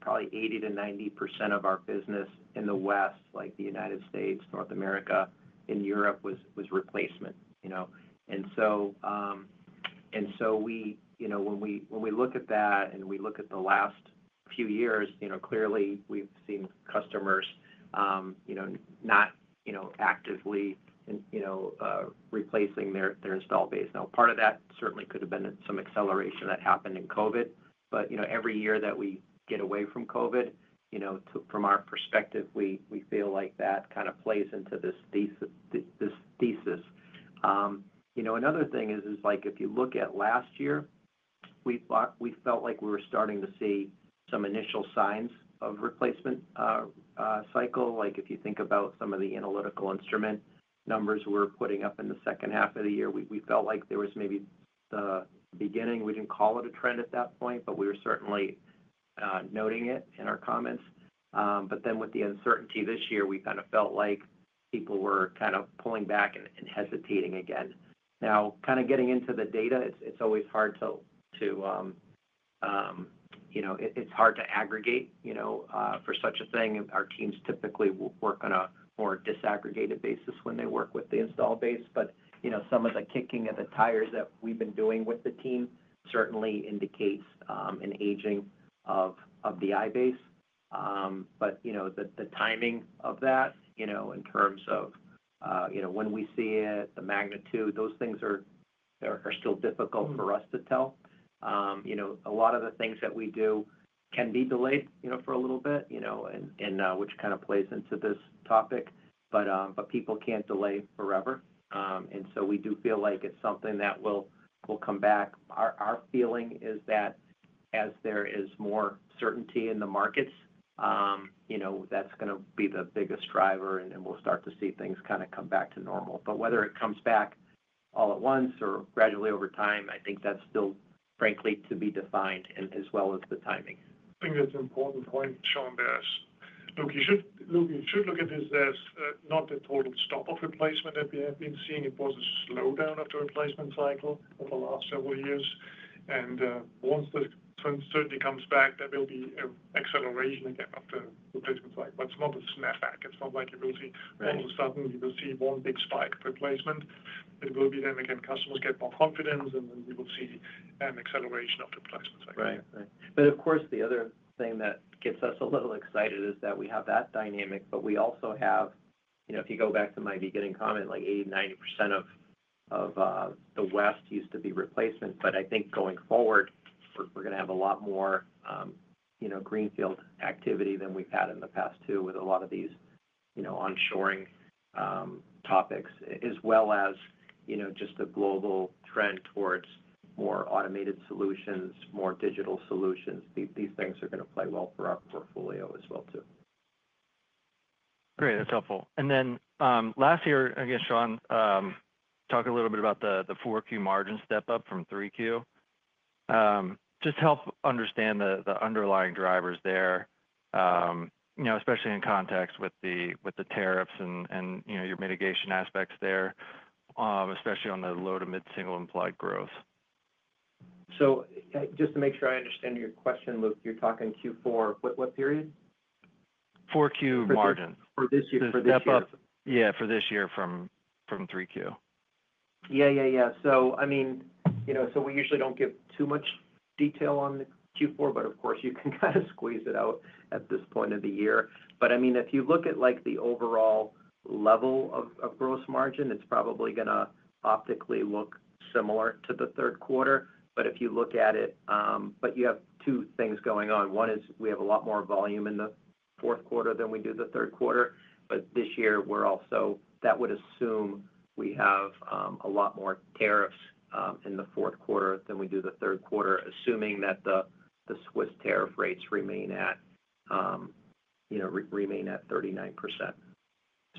probably 80%-90% of our business in the West, like the United States, North America, and Europe, was replacement. When we look at that and we look at the last few years, clearly we've seen customers not actively replacing their installed base. Part of that certainly could have been some acceleration that happened in COVID, but every year that we get away from COVID, from our perspective, we feel like that kind of plays into this thesis. Another thing is, if you look at last year, we felt like we were starting to see some initial signs of replacement cycle. If you think about some of the analytical instrument numbers we're putting up in the second half of the year, we felt like there was maybe the beginning. We didn't call it a trend at that point, but we were certainly noting it in our comments. With the uncertainty this year, we kind of felt like people were pulling back and hesitating again. Now, getting into the data, it's always hard to, you know, it's hard to aggregate for such a thing. Our teams typically work on a more disaggregated basis when they work with the installed base. Some of the kicking of the tires that we've been doing with the team certainly indicates an aging of the iBase. The timing of that, in terms of when we see it, the magnitude those things are, are still difficult for us to tell. A lot of the things that we do can be delayed for a little bit, which kind of plays into this topic. People can't delay forever. We do feel like it's something that will come back. Our feeling is that as there is more certainty in the markets, that's going to be the biggest driver and we'll start to see things kind of come back to normal. Whether it comes back all at once or gradually over time, I think that's still frankly to be defined as well as the timing. I think that's an important point. Shawn, you should look at this as not the total stop of replacement that we have been seeing. It was a slowdown of the replacement cycle over the last several years. Once the certainty comes back, there will be an acceleration again of the replacement cycle. It's not a snapback. It's not like all of a sudden you will see one big spike replacement. It will be that customers get more confidence and then you will see an acceleration of the replacement. Right, right. Of course, the other thing that gets us a little excited is that we have that dynamic. We also have, you know, if you go back to my beginning comment, like 80, 90% of the West used to be replacement. I think going forward we're going to have a lot more, you know, greenfield activity than we've had in the past too, with a lot of these, you know, onshoring topics as well as, you know, just a global trend towards more automated solutions, more digital solutions. These things are going to play well for our portfolio as well too. Great, that's helpful. Last year, I guess, Shawn, talk a little bit about the 4Q margin step up from 3Q. Just help understand the underlying drivers there, especially in context with the tariffs and your mitigation aspects there, especially on the low to mid-single implied growth. Just to make sure I understand your question, Luke, you're talking Q4, what period? 4Q margin For this year? Yeah, for this year from 3Q. Yeah, yeah, yeah. We usually don't give too much detail on the Q4, but of course you can kind of squeeze it out at this point of the year. If you look at the overall level of gross margin, it's probably going to optically look similar to the third quarter. If you look at it, you have two things going on. One is we have a lot more volume in the fourth quarter than we do the third quarter. This year we're also, that would assume we have a lot more tariffs in the fourth quarter than we do the third quarter, assuming that the Swiss tariff rates remain at 39%.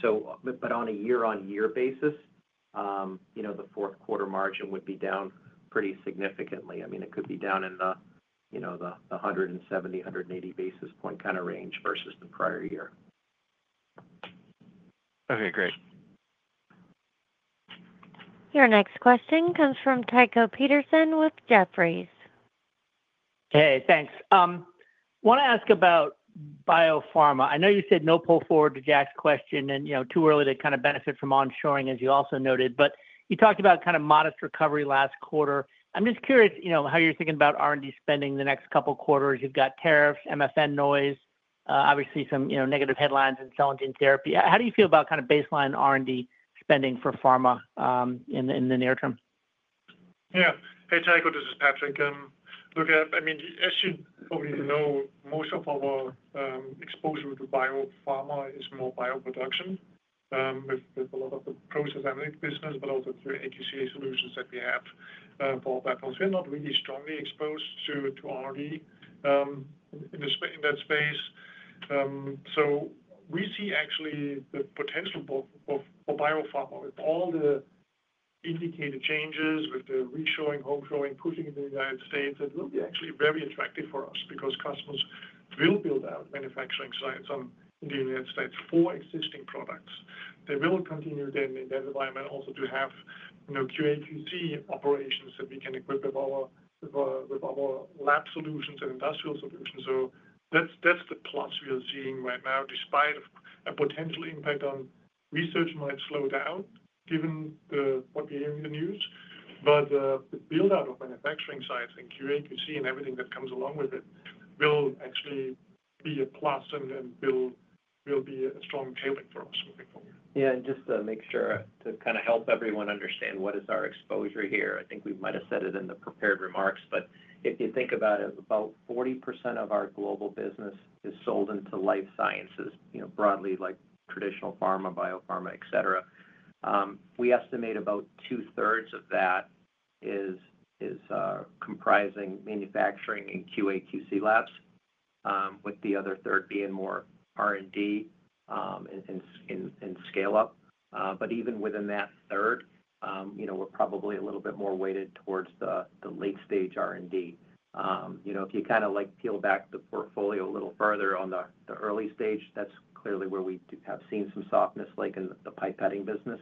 On a year-on-year basis, the fourth quarter margin would be down pretty significantly. It could be down in the 170, 180 basis point kind of range versus the prior year. Okay, great. Your next question comes from Tycho Peterson with Jefferies. Hey, thanks. Want to ask about biopharma. I know you said no pull forward to Jack's question and you know, too early to kind of benefit from onshoring as you also noted, but you talked about kind of modest recovery last quarter. I'm just curious, you know, how you're thinking about R&D spending the next couple quarters. You've got tariffs, MFN noise, obviously some negative headlines in cell and gene therapy. How do you feel about kind of baseline R&D spending for pharma in the near term? Yeah. Hey, Tycho, this is Patrick. Look, I mean, as you probably know, most of our exposure to biopharma is more bioproduction with a lot of the Process Analytics business, but also through QA/QC solutions that we have for platforms. We're not really strongly expanding exposed to R&D in that space. We see actually the potential for biopharma with all the indicated changes with the reshoring, onshoring pushing in the U.S. It will be actually very attractive for us because customers will build out manufacturing sites in the U.S. for existing products. They will continue then in that environment also to have QA/QC operations that we can equip with our lab solutions and industrial solutions. That's the plus we are seeing right now, despite a potential impact on research might slow down given what we hear in the news. The build out of manufacturing sites and QA/QC and everything that comes along with it will actually be a plus and will be a strong tailwind for us moving forward. Yeah, and just to make sure to kind of help everyone understand what is our exposure here, I think we might have said it in the prepared remarks, but if you think about it, about 40% of our global business is sold into life sciences broadly like traditional pharma, biopharma, et cetera. We estimate about 2/3 of that is comprising manufacturing and QA/QC labs, with the other 1/3 being more R&D and scale up. Even within that third, you know, we're probably a little bit more weighted towards the late stage R&D. If you kind of like peel back the portfolio a little further on the early stage, that's clearly where we have seen some softness like in the pipetting business,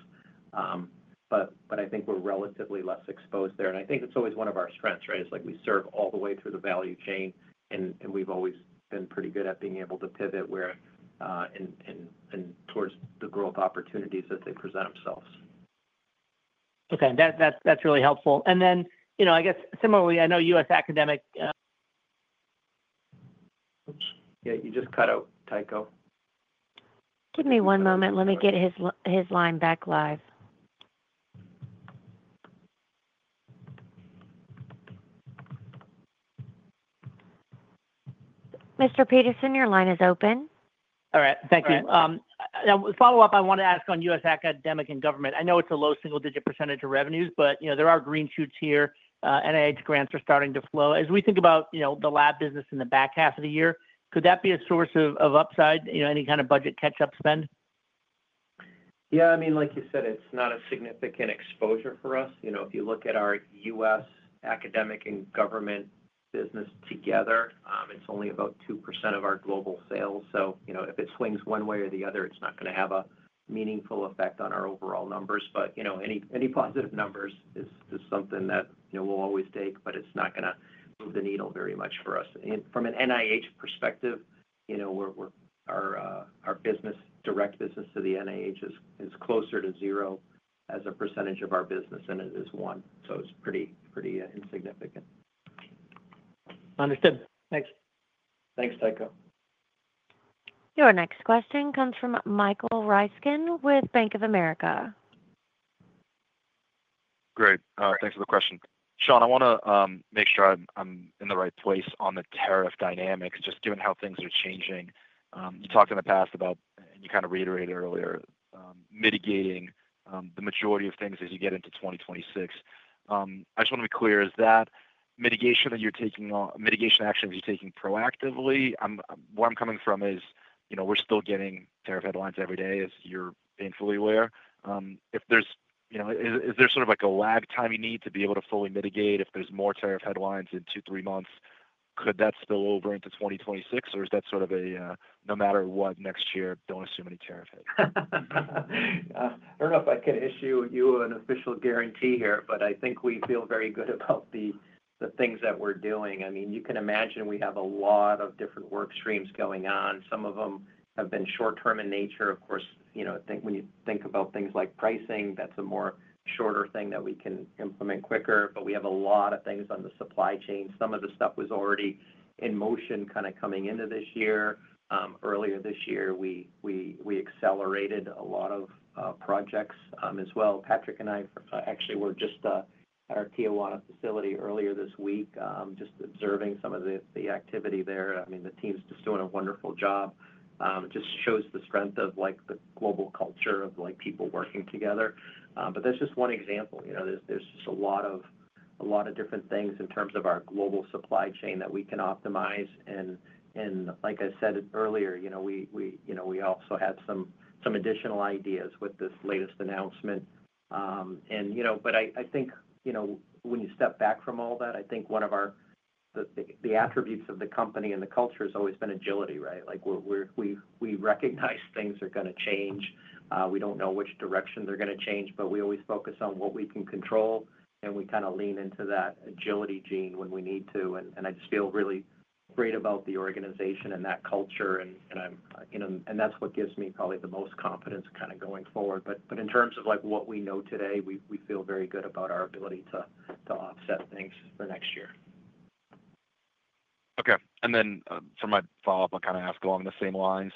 but I think we're relatively less exposed there. I think it's always one of our strengths. Right. It's like we serve all the way through the value chain and we've always been pretty good at being able to pivot where towards the growth opportunities that they present themselves. Okay, that's really helpful. Then, you know, I guess similarly, I know U.S. academic. You just cut out Tycho. Give me one moment, let me get his line back live. Mr. Peterson, your line is open. All right, thank you. Follow up, I want to ask on U.S. academic and government. I know it's a low single-digit percentage of revenues, but you know, there are green shoots here. NIH grants are starting to flow. As we think about, you know, the lab business in the back half of the year, could that be a source of upside? You know, any kind of budget catch-up spend? Yeah, I mean, like you said, it's not a significant exposure for us. You know, if you look at our U.S. academic and government business together, it's only about 2% of our global sales. If it swings one way or the other, it's not going to have a meaningful effect on our overall numbers. Any positive numbers is something that we'll always take, but it's not going to move the needle very much for us from an NIH perspective. Our business, direct business to the NIH is closer to zero as a percentage of our business than it is one. It's pretty insignificant. Understood. Thanks. Thanks, Tycho. Your next question comes from Michael Ryskin with Bank of America. Great, thanks for the question, Shawn. I want to make sure I'm in the right place on the tariff dynamics, just given how things are changing. You talked in the past about, and you kind of reiterated earlier, mitigating the majority of things as you get into 2026. I just want to be clear, is that mitigation that you're taking on mitigation actions you're taking proactively? Where I'm coming from is, you know, we're still getting tariff headlines every day, as you're painfully aware. If there's, you know, is there sort of like a lag time you need to be able to fully mitigate? If there's more tariff headlines in two, three months, could that spill over into 2026 or is that sort of a no matter what next year, don't assume any tariff hit? I don't know if I can issue you an official guarantee here, but I think we feel very good about the things that we're doing. I mean, you can imagine we have a lot of different work streams going on. Some of them have been short term in nature. Of course, you know, when you think about things like pricing, that's a more shorter thing that we can implement quicker. We have a lot of things on the supply chain. Some of the stuff was already in motion coming into this year. Earlier this year, we accelerated a lot of projects as well. Patrick and I actually were just at our Tijuana facility earlier this week observing some of the activity there. I mean, the team's just doing a wonderful job. It just shows the strength of the global culture of people working together. That's just one example. There's just a lot of different things in terms of our global supply chain that we can optimize. Like I said earlier, we also had some additional ideas with this latest announcement. I think when you step back from all that, I think one of the attributes of the company and the culture has always been agility. Right. We recognize things are going to change. We don't know which direction they're going to change, but we always focus on what we can control, and we kind of lean into that agility gene when we need to. I just feel really great about the organization and that culture, and that's what gives me probably the most confidence going forward. In terms of what we know today, we feel very good about our ability to offset things for next year. Okay. For my follow up, I kind of ask along the same lines.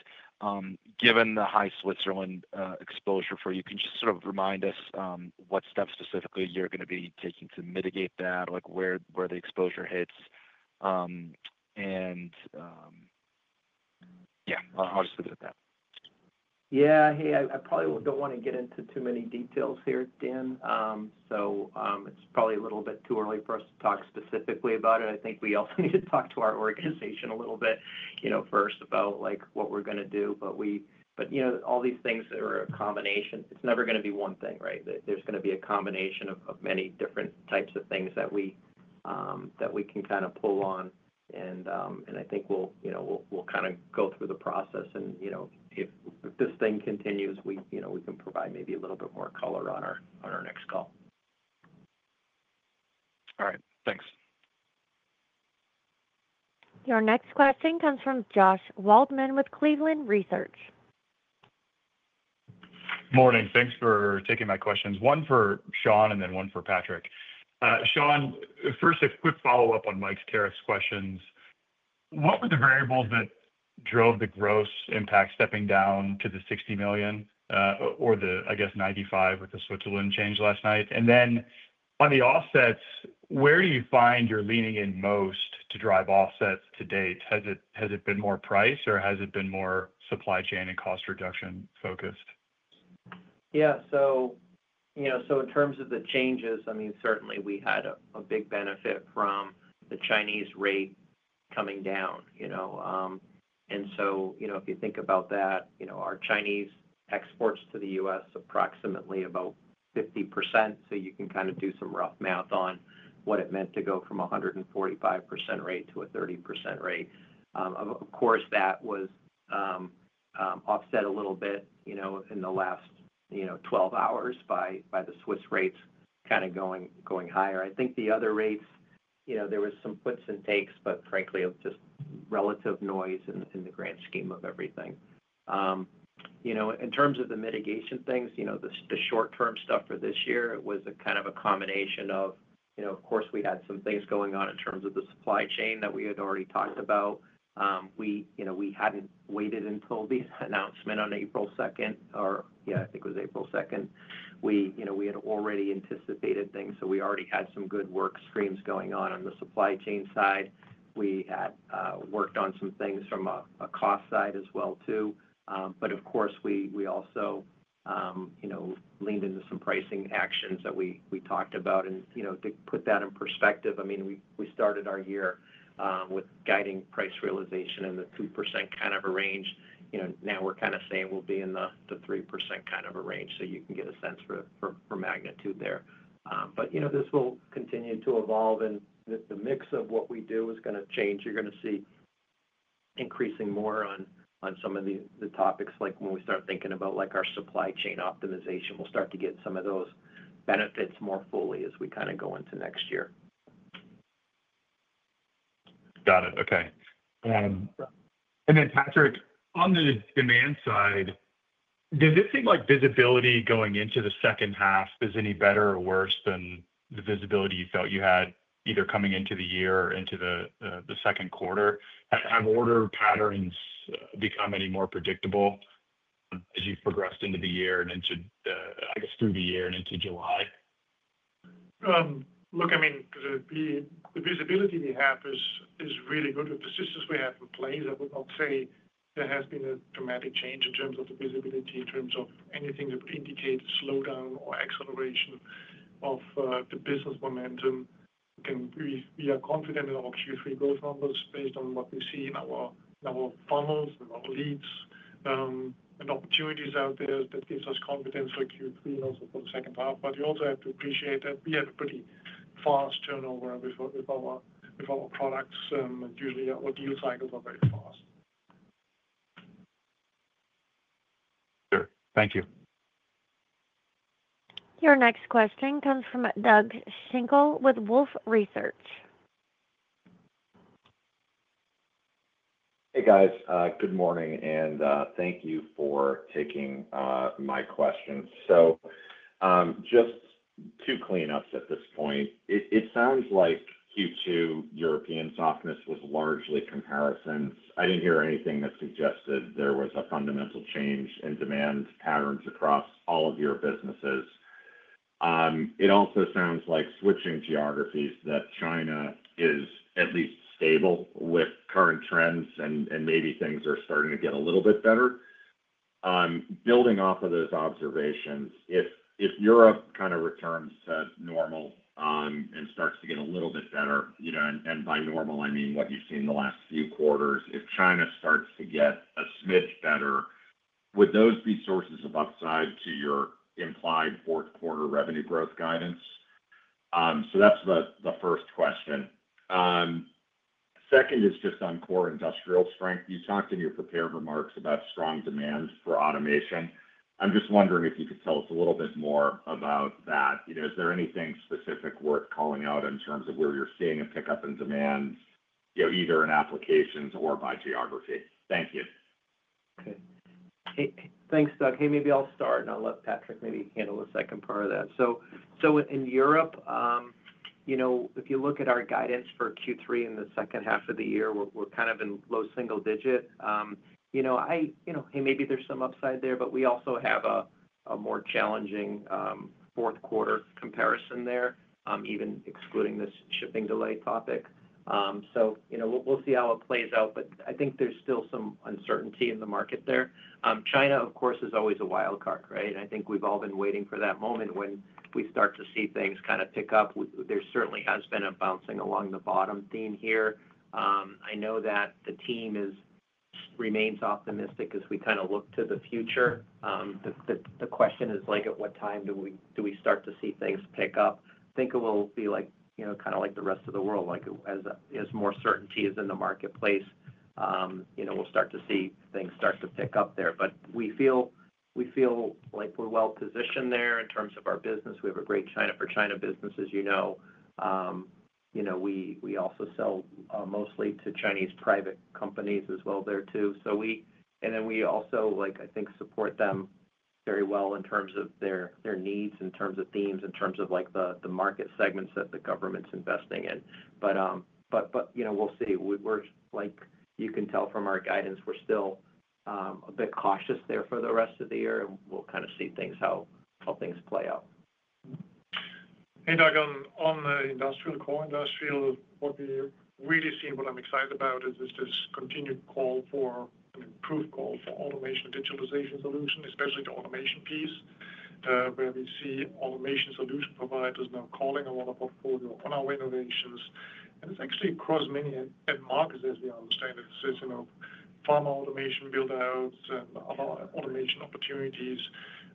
Given the high Switzerland exposure for you, can you just sort of remind us what steps specifically you're going to be taking to mitigate that? Like where the exposure hits. Yeah, I'll just leave it at that. Yeah. I probably don't want to get into too many details here, so it's probably a little bit too early for us to talk specifically about it. I think we also need to talk to our organization a little bit first about what we're going to do. All these things are a combination, it's never going to be one thing. There's going to be a combination of many different types of things that we can kind of pull on, and I think we'll go through the process. If this thing continues, we can provide maybe a little bit more color on our next call. All right, thanks. Your next question comes from Josh Waldman with Cleveland Research. Morning. Thanks for taking my questions. One for Shawn and then one for Patrick. Shawn, first a quick follow-up on Mike's tariffs questions. What were the variables that drove the gross impact stepping down to the $60 million or the, I guess, $95 million with the Switzerland change last night? On the offsets, where do you find you're leaning in most to drive offsets to date? Has it been more price or has it been more supply chain and cost reduction focused? Yeah. In terms of the changes, certainly we had a big benefit from the Chinese rate coming down. If you think about that, our Chinese exports to the U.S. are approximately about 50%. You can kind of do some rough math on what it meant to go from a 145% rate to a 30% rate. Of course, that was offset a little bit in the last 12 hours by the Swiss rates going higher. I think the other rates, there was some puts and takes, but frankly just relative noise in the grand scheme of everything. In terms of the mitigation things, the short term stuff for this year was a combination of, of course, we had some things going on in terms of the supply chain that we had already talked about. We hadn't waited until the announcement on April 2nd, or yeah, I think it was April 2nd. We had already anticipated things, so we already had some good work streams going on on the supply chain side. We had worked on some things from a cost side as well, too. Of course, we also leaned into some pricing actions that we talked about. To put that in perspective, we started our year with guiding price realization in the 2% kind of a range. Now we're kind of saying we'll be in the 3% kind of a range. You can get a sense for magnitude there. This will continue to evolve and the mix of what we do is going to change. You're going to see increasing more on some of the topics, like when we start thinking about our supply chain optimization, we'll start to get some of those benefits more fully as we go into next year. Got it. Okay. Patrick, on the demand side. Does it seem like visibility going into the second half any better or worse than the visibility you felt you had either coming into the year, into the second quarter? Have order patterns become any more predictable as you've progressed into the year and, I guess, through the year and into July? Look, the visibility we have is really good with the systems we have in place. I would not say there has been a dramatic change in terms of the visibility in terms of anything that would indicate slowdown or acceleration of the business momentum. We are confident in our Q3 growth numbers based on what we see in our funnels and our leads and opportunities out there. That gives us confidence for Q3 also for the second half. You also have to appreciate that we have a pretty fast turnover of our products, usually our deal cycles are very fast. Sure. Thank you. Your next question comes from Doug Schenkel with Wolfe Research. Hey guys, good morning and thank you for taking my questions. Just two cleanups at this point. It sounds like Q2 European softness was largely comparisons. I didn't hear anything that suggested there was a fundamental change in demand patterns across all of your businesses. It also sounds like, switching geographies, that China is at least stable with current trends and maybe things are starting to get a little bit better. Building off of those observations, if Europe kind of returns to normal and starts to get a little bit better, and by normal, I mean what you've seen the last few quarters. If China starts to get a smidge better, would those be sources of upside to your implied fourth quarter revenue growth guidance? That's the first question. Second is just on core industrial strength. You talked in your prepared remarks about strong demand for automation. I'm just wondering if you could tell us a little bit more about that. Is there anything specific worth calling out in terms of where you're seeing a pickup in demand, either in applications or by geography? Thank you. Thanks, Doug. Maybe I'll start and I'll let Patrick maybe handle the second part of that. In Europe, if you look at our guidance for Q3 in the second half of the year, we're kind of in low single digit. Maybe there's some upside there, but we also have a more challenging fourth quarter comparison there, even excluding this shipping delay topic. We'll see how it plays out. I think there's still some uncertainty in the market there. China, of course, is always a wild card. Right. I think we've all been waiting for that moment when we start to see things kind of pick up. There certainly has been a bouncing along the bottom theme here. I know that the team remains optimistic as we kind of look to the future. The question is, at what time do we start to see things pick up. I think it will be like the rest of the world. As more certainty is in the marketplace, we'll start to see things start to pick up there. We feel like we're well positioned there in terms of our business. We have a great China-for-China business, as you know. We also sell mostly to Chinese private companies as well there too. We also support them very well in terms of their needs, in terms of themes, in terms of the market segments that the governments are investing in. We'll see. You can tell from our guidance we're still a bit cautious there for the rest of the year and we'll see how things play out. On the core industrial, what we really see, what I'm excited about is this continued call for an improved call for automation, digitalization solution, especially the automation piece, where we see automation solution providers now calling a lot of portfolio on our innovations, and it's actually across many end markets as we understand it. Pharma automation buildouts and automation opportunities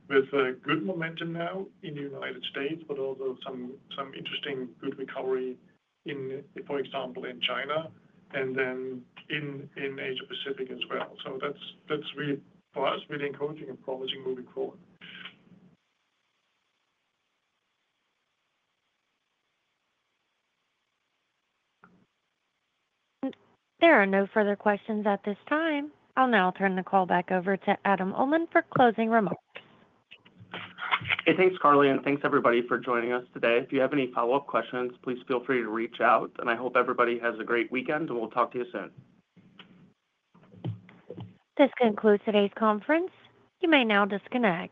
with good momentum now in the United States, but also some interesting good recovery, for example, in China and then in Asia as well. That's really for us really encouraging and promising moving forward. There are no further questions at this time. I'll now turn the call back over to Adam Uhlman for closing remarks. Thanks, Carly. Thanks, everybody, for joining us today. If you have any follow-up questions, please feel free to reach out. I hope everybody has a great, great weekend and we'll talk to you soon. This concludes today's conference. You may now disconnect.